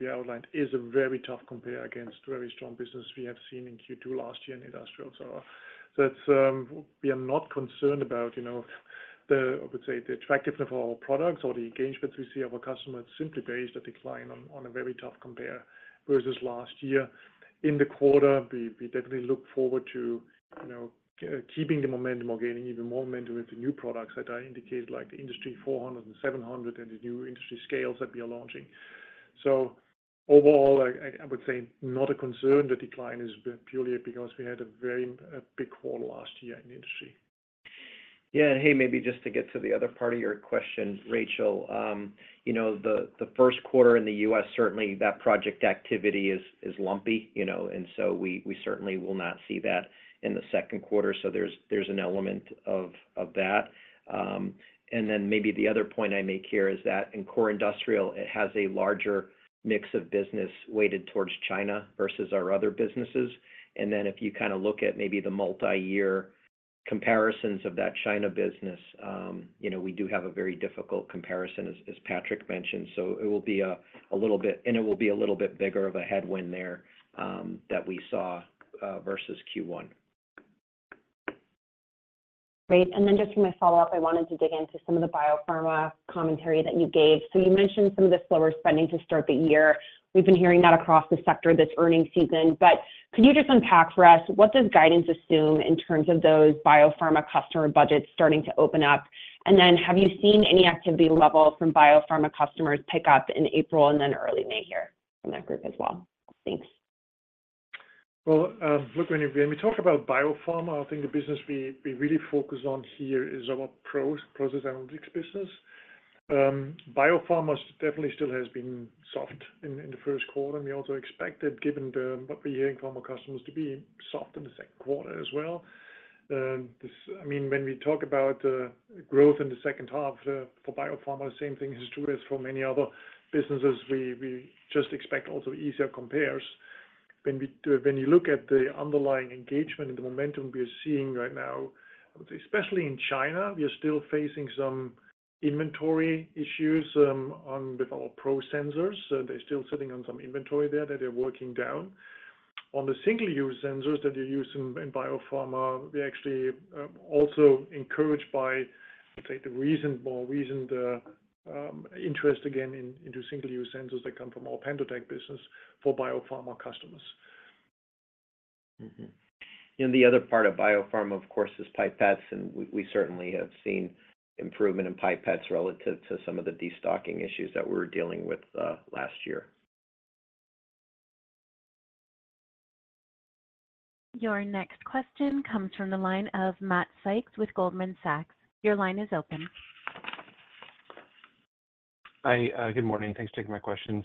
we outlined is a very tough compare against very strong business we have seen in Q2 last year in industrial. So it's... We are not concerned about, you know— I would say, the attractiveness of our products or the engagements we see of our customers, simply based on a decline on a very tough compare versus last year. In the quarter, we definitely look forward to, you know, keeping the momentum or gaining even more momentum with the new products that I indicated, like the IND400 and IND700, and the new industry scales that we are launching. So overall, I would say not a concern. The decline is purely because we had a very big quarter last year in the industry. Yeah. And, hey, maybe just to get to the other part of your question, Rachel, you know, the first quarter in the U.S., certainly that project activity is lumpy, you know, and so we certainly will not see that in the second quarter. So there's an element of that. And then maybe the other point I make here is that in Core Industrial, it has a larger mix of business weighted towards China versus our other businesses. And then if you kinda look at maybe the multi-year comparisons of that China business, you know, we do have a very difficult comparison, as Patrick mentioned. So it will be a little bit, and it will be a little bit bigger of a headwind there, that we saw versus Q1. Great. And then just for my follow-up, I wanted to dig into some of the biopharma commentary that you gave. So you mentioned some of the slower spending to start the year. We've been hearing that across the sector this earnings season, but could you just unpack for us, what does guidance assume in terms of those biopharma customer budgets starting to open up? And then have you seen any activity level from biopharma customers pick up in April and then early May here from that group as well? Thanks. Well, look, when we, when we talk about biopharma, I think the business we, we really focus on here is our Process Analytics business. biopharma definitely still has been soft in, in the first quarter, and we also expect it, given what we hear from our customers, to be soft in the second quarter as well. I mean, when we talk about growth in the second half for biopharma, same thing is true as for many other businesses. We, we just expect also easier compares. When we, when you look at the underlying engagement and the momentum we are seeing right now, especially in China, we are still facing some inventory issues with our process sensors. So they're still sitting on some inventory there that they're working down. On the single-use sensors that they use in biopharma, we actually also encouraged by. I'd say the interest again into single-use sensors that come from our PendoTECH business for biopharma customers. Mm-hmm. And the other part of biopharma, of course, is pipettes, and we, we certainly have seen improvement in pipettes relative to some of the destocking issues that we were dealing with last year. Your next question comes from the line of Matt Sykes with Goldman Sachs. Your line is open. Hi, good morning. Thanks for taking my questions.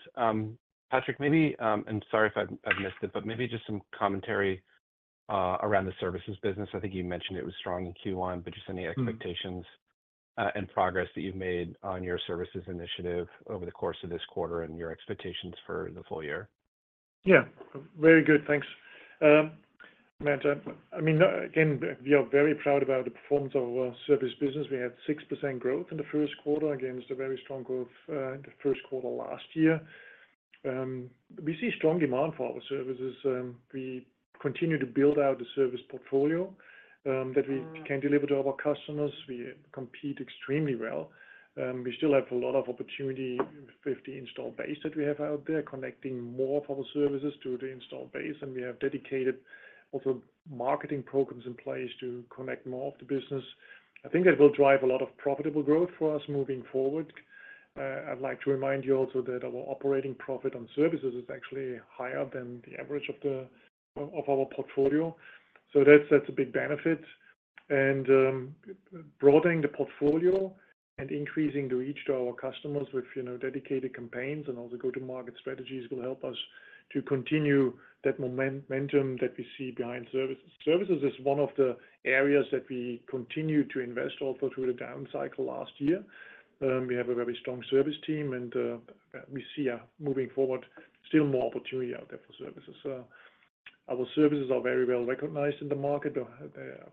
Patrick, maybe, and sorry if I've missed it, but maybe just some commentary around the services business. I think you mentioned it was strong in Q1, but just any- Mm-hmm... expectations, and progress that you've made on your services initiative over the course of this quarter and your expectations for the full year? Yeah, very good. Thanks. Matt, I mean, again, we are very proud about the performance of our service business. We had 6% growth in the first quarter, against a very strong growth in the first quarter last year. We see strong demand for our services. We continue to build out the service portfolio that we can deliver to our customers. We compete extremely well. We still have a lot of opportunity, 50 install base that we have out there, connecting more of our services to the install base, and we have dedicated also marketing programs in place to connect more of the business. I think that will drive a lot of profitable growth for us moving forward. I'd like to remind you also that our operating profit on services is actually higher than the average of the, of, of our portfolio. So that's, that's a big benefit. And broadening the portfolio and increasing the reach to our customers with, you know, dedicated campaigns and all the go-to-market strategies will help us to continue that momentum that we see behind services. Services is one of the areas that we continue to invest also through the down cycle last year. We have a very strong service team, and we see, moving forward, still more opportunity out there for services. So our services are very well recognized in the market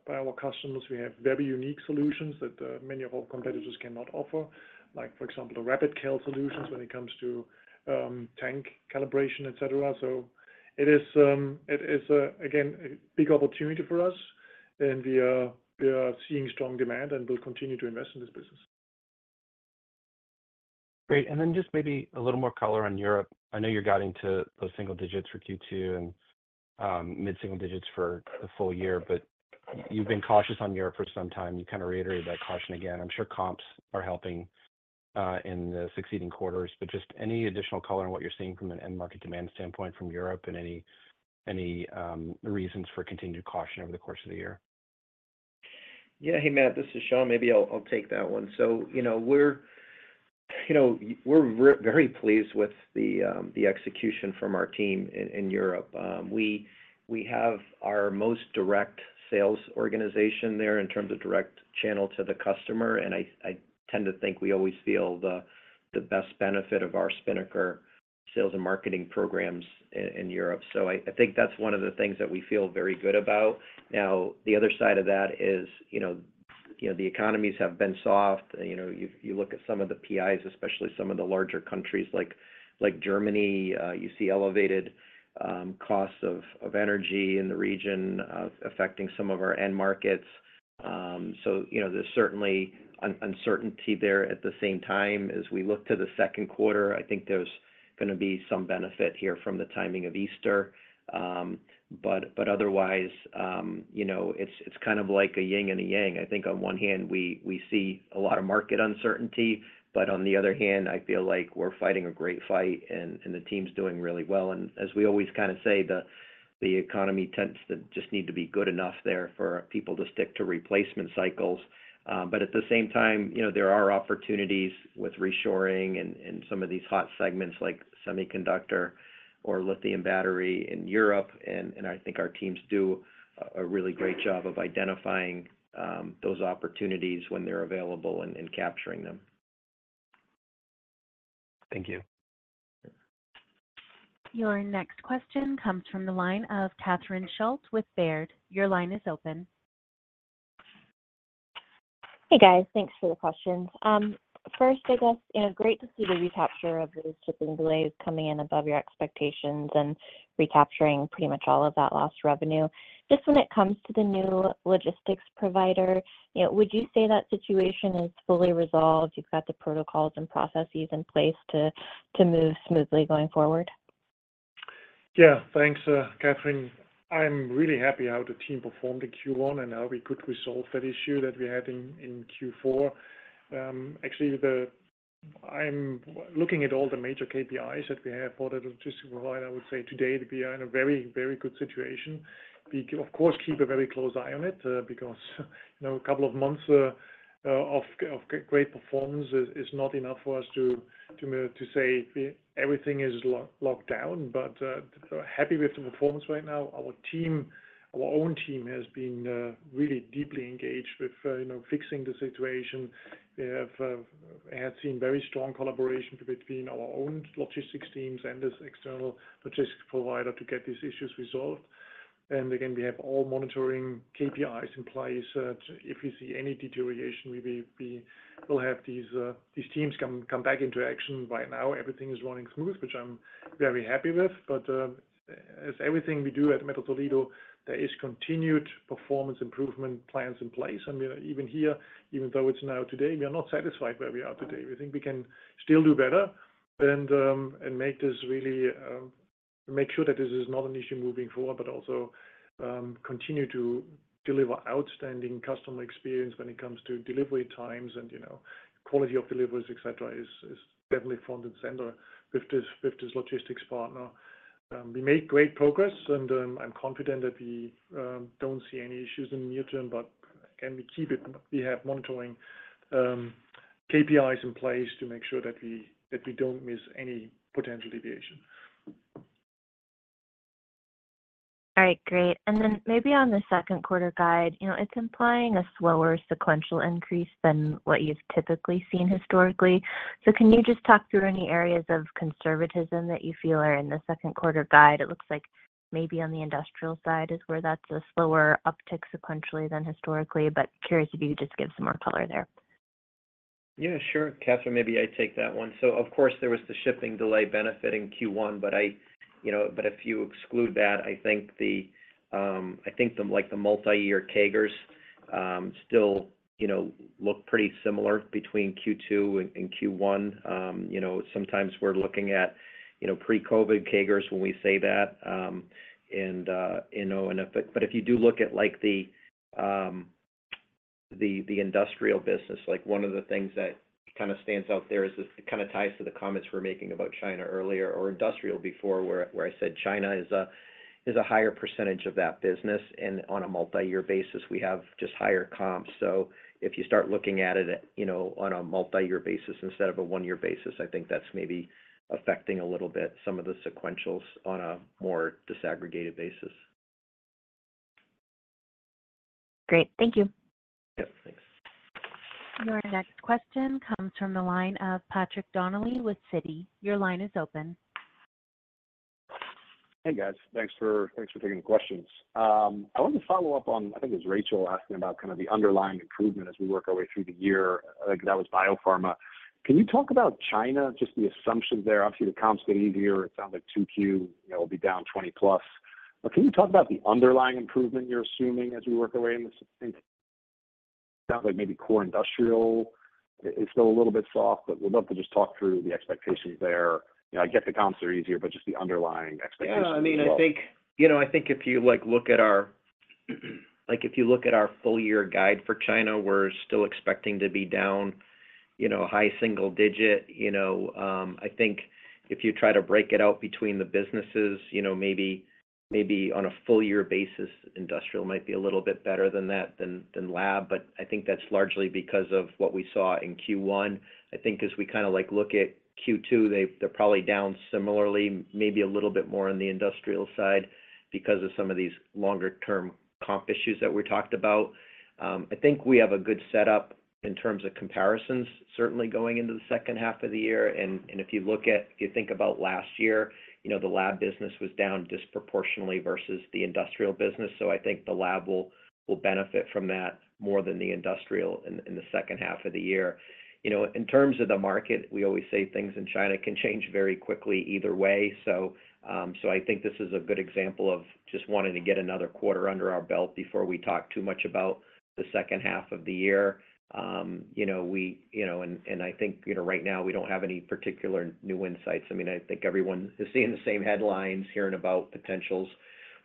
by our customers. We have very unique solutions that many of our competitors cannot offer. Like, for example, the RapidCal solutions when it comes to tank calibration, et cetera. It is again a big opportunity for us, and we are seeing strong demand and will continue to invest in this business. Great. Then just maybe a little more color on Europe. I know you're guiding to those single digits for Q2 and mid-single digits for the full year, but you've been cautious on Europe for some time. You kinda reiterated that caution again. I'm sure comps are helping in the succeeding quarters, but just any additional color on what you're seeing from an end market demand standpoint from Europe and any reasons for continued caution over the course of the year? Yeah. Hey, Matt, this is Shawn. Maybe I'll take that one. So, you know, we're very pleased with the execution from our team in Europe. We have our most direct sales organization there in terms of direct channel to the customer, and I tend to think we always feel the best benefit of our Spinnaker sales and marketing programs in Europe. So I think that's one of the things that we feel very good about. Now, the other side of that is, you know, the economies have been soft. You know, you look at some of the PMIs, especially some of the larger countries like Germany, you see elevated costs of energy in the region affecting some of our end markets. So, you know, there's certainly uncertainty there. At the same time, as we look to the second quarter, I think there's gonna be some benefit here from the timing of Easter. But otherwise, you know, it's kind of like a yin and a yang. I think on one hand, we see a lot of market uncertainty, but on the other hand, I feel like we're fighting a great fight and the team's doing really well. And as we always kind of say, the economy tends to just need to be good enough there for people to stick to replacement cycles. But at the same time, you know, there are opportunities with reshoring and some of these hot segments like semiconductor or lithium battery in Europe, and I think our teams do a really great job of identifying those opportunities when they're available and capturing them. Thank you. Your next question comes from the line of Catherine Schulte with Baird. Your line is open. Hey, guys. Thanks for the questions. First, I guess, you know, great to see the recapture of those shipping delays coming in above your expectations and recapturing pretty much all of that lost revenue. Just when it comes to the new logistics provider, you know, would you say that situation is fully resolved? You've got the protocols and processes in place to move smoothly going forward? Yeah, thanks, Catherine. I'm really happy how the team performed in Q1 and how we could resolve that issue that we had in Q4. Actually, I'm looking at all the major KPIs that we have for the logistics provider. I would say today, we are in a very, very good situation. We, of course, keep a very close eye on it, because, you know, a couple of months of great performance is not enough for us to say everything is locked down. But, happy with the performance right now. Our team, our own team has been really deeply engaged with, you know, fixing the situation. They have seen very strong collaboration between our own logistics teams and this external logistics provider to get these issues resolved. Again, we have all monitoring KPIs in place. If we see any deterioration, we'll have these teams come back into action. Right now, everything is running smooth, which I'm very happy with. But as everything we do at Mettler-Toledo, there is continued performance improvement plans in place. We are even here, even though it's now today, we are not satisfied where we are today. We think we can still do better and make this really make sure that this is not an issue moving forward, but also continue to deliver outstanding customer experience when it comes to delivery times and, you know, quality of deliveries, et cetera, is definitely front and center with this logistics partner. We made great progress, and I'm confident that we don't see any issues in the near term, but can we keep it. We have monitoring KPIs in place to make sure that we, that we don't miss any potential deviation. All right, great. Then maybe on the second quarter guide, you know, it's implying a slower sequential increase than what you've typically seen historically. Can you just talk through any areas of conservatism that you feel are in the second quarter guide? It looks like maybe on the industrial side is where that's a slower uptick sequentially than historically, but curious if you could just give some more color there. Yeah, sure. Catherine, maybe I'd take that one. So of course, there was the shipping delay benefit in Q1, but I, you know. But if you exclude that, I think the, like, the multi-year CAGRs still, you know, look pretty similar between Q2 and Q1. You know, sometimes we're looking at, you know, pre-COVID CAGRs when we say that, and, you know, and if- but if you do look at, like, the, the industrial business, like one of the things that kind of stands out there is this, it kind of ties to the comments we're making about China earlier or industrial before, where I said China is a higher percentage of that business, and on a multi-year basis, we have just higher comps. If you start looking at it, you know, on a multi-year basis instead of a one-year basis, I think that's maybe affecting a little bit some of the sequentials on a more disaggregated basis. Great. Thank you. Yeah, thanks. Your next question comes from the line of Patrick Donnelly with Citi. Your line is open. Hey, guys. Thanks for, thanks for taking the questions. I wanted to follow up on, I think it was Rachel asking about kind of the underlying improvement as we work our way through the year. I think that was biopharma. Can you talk about China, just the assumptions there? Obviously, the comps get easier. It sounds like 2Q, you know, will be down 20+. But can you talk about the underlying improvement you're assuming as we work our way in this? It sounds like maybe Core Industrial is still a little bit soft, but would love to just talk through the expectations there. You know, I get the comps are easier, but just the underlying expectations as well. Yeah, I mean, I think, you know, I think if you, like, look at our, like, if you look at our full year guide for China, we're still expecting to be down, you know, high single digit. You know, I think if you try to break it out between the businesses, you know, maybe, maybe on a full year basis, industrial might be a little bit better than that, than, than lab, but I think that's largely because of what we saw in Q1. I think as we kind of, like, look at Q2, they- they're probably down similarly, maybe a little bit more on the industrial side because of some of these longer term comp issues that we talked about. I think we have a good setup in terms of comparisons, certainly going into the second half of the year. If you look at, if you think about last year, you know, the lab business was down disproportionately versus the industrial business. So I think the lab will benefit from that more than the industrial in the second half of the year. You know, in terms of the market, we always say things in China can change very quickly either way. So I think this is a good example of just wanting to get another quarter under our belt before we talk too much about the second half of the year... You know, you know, I think, you know, right now we don't have any particular new insights. I mean, I think everyone is seeing the same headlines, hearing about potentials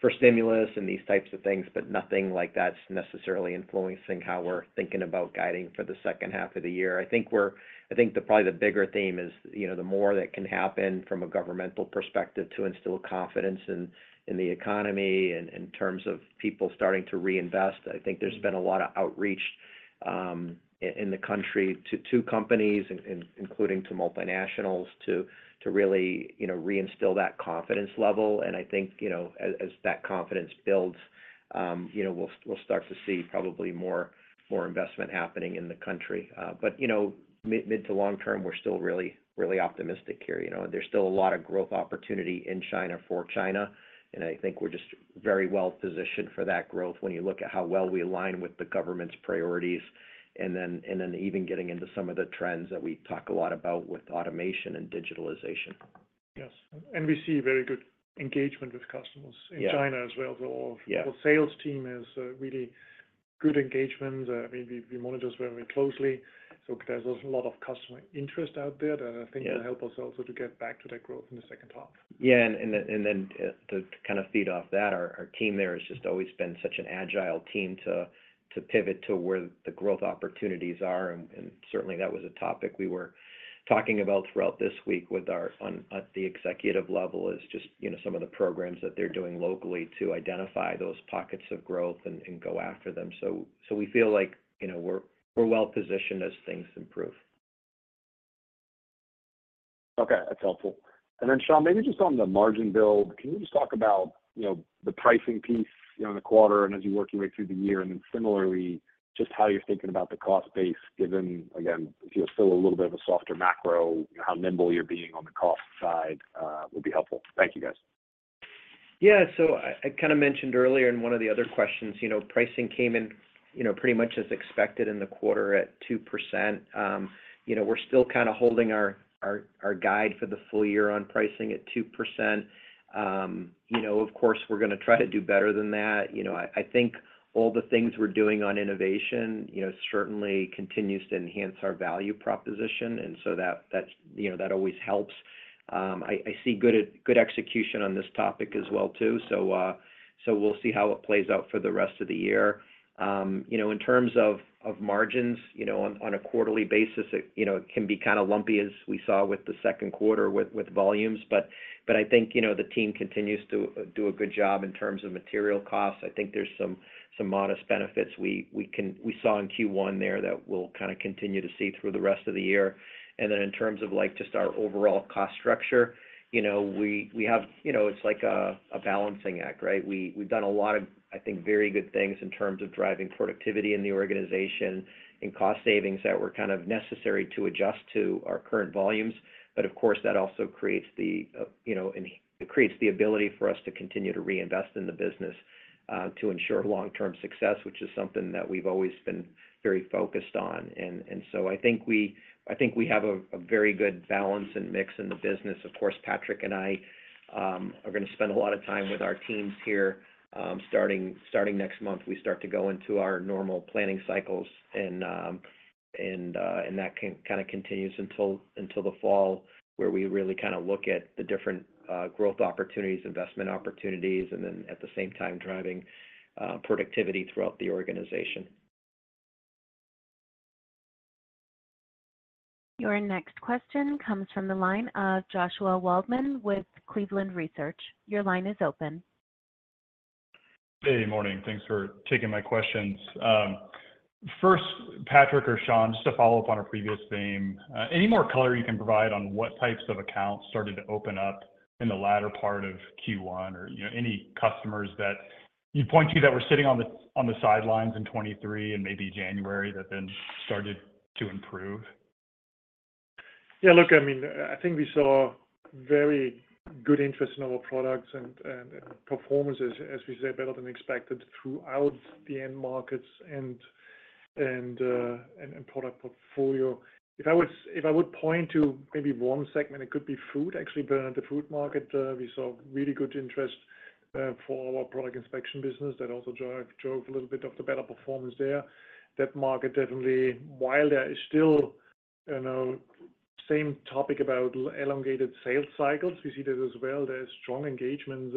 for stimulus and these types of things, but nothing like that's necessarily influencing how we're thinking about guiding for the second half of the year. I think probably the bigger theme is, you know, the more that can happen from a governmental perspective to instill confidence in the economy and in terms of people starting to reinvest. I think there's been a lot of outreach in the country to companies, including to multinationals, to really, you know, reinstill that confidence level. And I think, you know, as that confidence builds, you know, we'll start to see probably more investment happening in the country. But, you know, mid- to long term, we're still really, really optimistic here. You know, there's still a lot of growth opportunity in China for China, and I think we're just very well positioned for that growth when you look at how well we align with the government's priorities, and then even getting into some of the trends that we talk a lot about with automation and digitalization. Yes, and we see very good engagement with customers. Yeah... in China as well. The- Yeah... the sales team has really good engagement. I mean, we monitor very closely, so there's a lot of customer interest out there that I think- Yeah... will help us also to get back to that growth in the second half. Yeah, and then to kind of feed off that, our team there has just always been such an agile team to pivot to where the growth opportunities are. And certainly, that was a topic we were talking about throughout this week with our own at the executive level, just you know, some of the programs that they're doing locally to identify those pockets of growth and go after them. So we feel like, you know, we're well positioned as things improve. Okay, that's helpful. And then, Shawn, maybe just on the margin build, can you just talk about, you know, the pricing piece, you know, in the quarter and as you're working your way through the year? And then similarly, just how you're thinking about the cost base given, again, you know, still a little bit of a softer macro, how nimble you're being on the cost side, would be helpful. Thank you, guys. Yeah. So I kinda mentioned earlier in one of the other questions, you know, pricing came in, you know, pretty much as expected in the quarter at 2%. You know, we're still kinda holding our guide for the full year on pricing at 2%. You know, of course, we're gonna try to do better than that. You know, I think all the things we're doing on innovation, you know, certainly continues to enhance our value proposition, and so that's, you know, that always helps. I see good execution on this topic as well, too. So we'll see how it plays out for the rest of the year. You know, in terms of margins, you know, on a quarterly basis, it can be kinda lumpy, as we saw with the second quarter with volumes. But I think, you know, the team continues to do a good job in terms of material costs. I think there's some modest benefits we saw in Q1 there that we'll kinda continue to see through the rest of the year. And then in terms of, like, just our overall cost structure, you know, we have... you know, it's like a balancing act, right? We, we've done a lot of, I think, very good things in terms of driving productivity in the organization and cost savings that were kind of necessary to adjust to our current volumes. But of course, that also creates the, you know, it creates the ability for us to continue to reinvest in the business, to ensure long-term success, which is something that we've always been very focused on. And so I think we have a very good balance and mix in the business. Of course, Patrick and I are gonna spend a lot of time with our teams here. Starting next month, we start to go into our normal planning cycles, and that kind of continues until the fall, where we really kinda look at the different growth opportunities, investment opportunities, and then at the same time, driving productivity throughout the organization. Your next question comes from the line of Joshua Waldman with Cleveland Research. Your line is open. Hey, morning. Thanks for taking my questions. First, Patrick or Shawn, just to follow up on a previous theme, any more color you can provide on what types of accounts started to open up in the latter part of Q1, or, you know, any customers that you'd point to that were sitting on the sidelines in 2023 and maybe January, that then started to improve? Yeah, look, I mean, I think we saw very good interest in our products and performances, as we said, better than expected throughout the end markets and product portfolio. If I would point to maybe one segment, it could be food. Actually, the food market, we saw really good interest for our product inspection business. That also drove a little bit of the better performance there. That market, definitely, while there is still, you know, same topic about elongated sales cycles, we see that as well. There's strong engagement,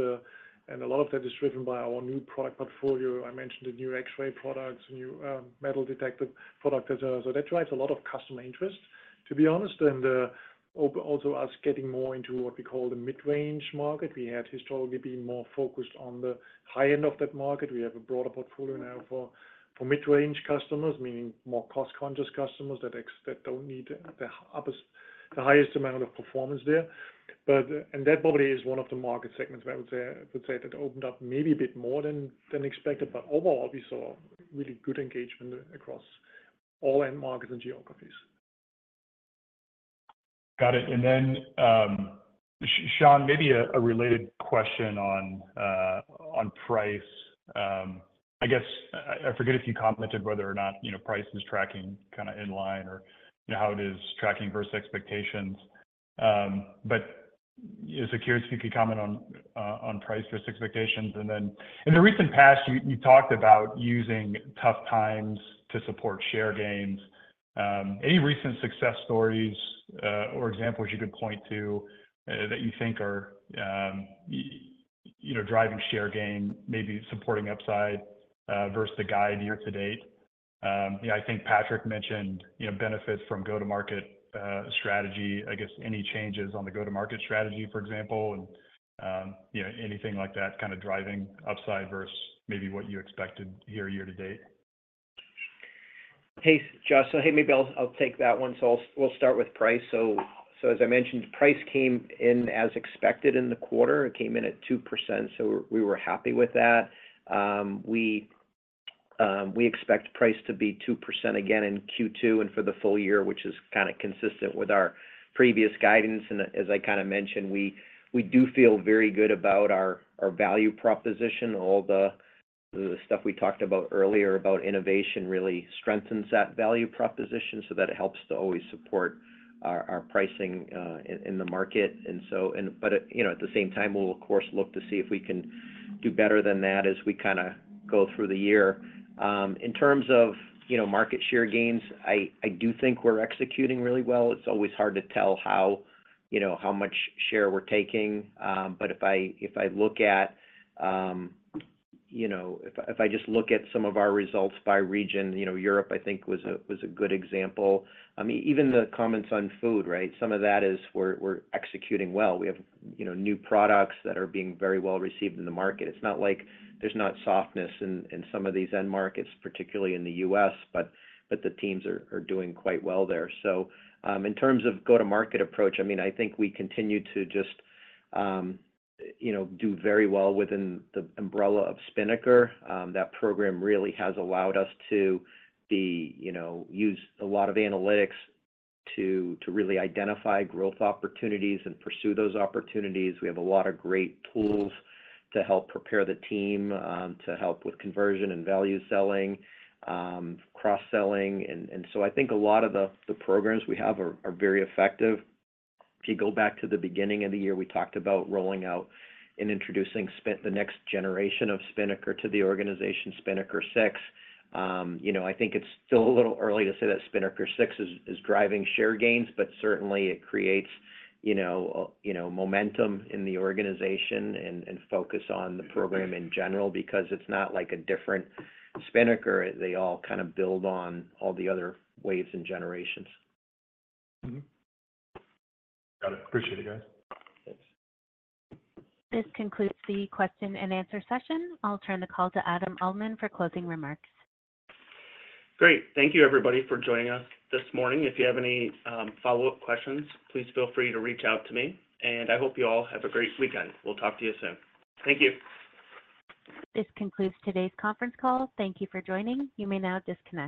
and a lot of that is driven by our new product portfolio. I mentioned the new X-ray products, new metal detector products as well. So that drives a lot of customer interest, to be honest, and also us getting more into what we call the mid-range market. We had historically been more focused on the high end of that market. We have a broader portfolio now for mid-range customers, meaning more cost-conscious customers that don't need the highest amount of performance there. And that probably is one of the market segments where I would say that opened up maybe a bit more than expected. But overall, we saw really good engagement across all end markets and geographies. Got it. And then, Shawn, maybe a related question on price. I guess, I forget if you commented whether or not, you know, price is tracking kinda in line or, you know, how it is tracking versus expectations. But just curious if you could comment on price versus expectations. And then in the recent past, you talked about using tough times to support share gains. Any recent success stories or examples you could point to that you think are, you know, driving share gain, maybe supporting upside versus the guide year to date? Yeah, I think Patrick mentioned, you know, benefits from go-to-market strategy. I guess any changes on the go-to-market strategy, for example, and, you know, anything like that kind of driving upside versus maybe what you expected year, year to date? Hey, Josh. So hey, maybe I'll take that one. So we'll start with price. So as I mentioned, price came in as expected in the quarter. It came in at 2%, so we were happy with that. We expect price to be 2% again in Q2 and for the full year, which is kind of consistent with our previous guidance. And as I kind of mentioned, we do feel very good about our value proposition. All the stuff we talked about earlier about innovation really strengthens that value proposition, so that it helps to always support our pricing in the market. And so, but you know, at the same time, we'll of course look to see if we can do better than that as we kinda go through the year. In terms of, you know, market share gains, I do think we're executing really well. It's always hard to tell how, you know, how much share we're taking. But if I look at, you know, if I just look at some of our results by region, you know, Europe I think was a good example. I mean, even the comments on food, right? Some of that is we're executing well. We have, you know, new products that are being very well received in the market. It's not like there's not softness in some of these end markets, particularly in the U.S., but the teams are doing quite well there. So, in terms of go-to-market approach, I mean, I think we continue to just, you know, do very well within the umbrella of Spinnaker. That program really has allowed us to be, you know, use a lot of analytics to really identify growth opportunities and pursue those opportunities. We have a lot of great tools to help prepare the team to help with conversion and value selling, cross-selling. And so I think a lot of the programs we have are very effective. If you go back to the beginning of the year, we talked about rolling out and introducing the next generation of Spinnaker to the organization, Spinnaker 6. You know, I think it's still a little early to say that Spinnaker 6 is driving share gains, but certainly it creates, you know, momentum in the organization and focus on the program in general. Because it's not like a different Spinnaker, they all kind of build on all the other waves and generations. Mm-hmm. Got it. Appreciate it, guys. Thanks. This concludes the question and answer session. I'll turn the call to Adam Uhlman for closing remarks. Great. Thank you, everybody, for joining us this morning. If you have any follow-up questions, please feel free to reach out to me, and I hope you all have a great weekend. We'll talk to you soon. Thank you. This concludes today's conference call. Thank you for joining. You may now disconnect.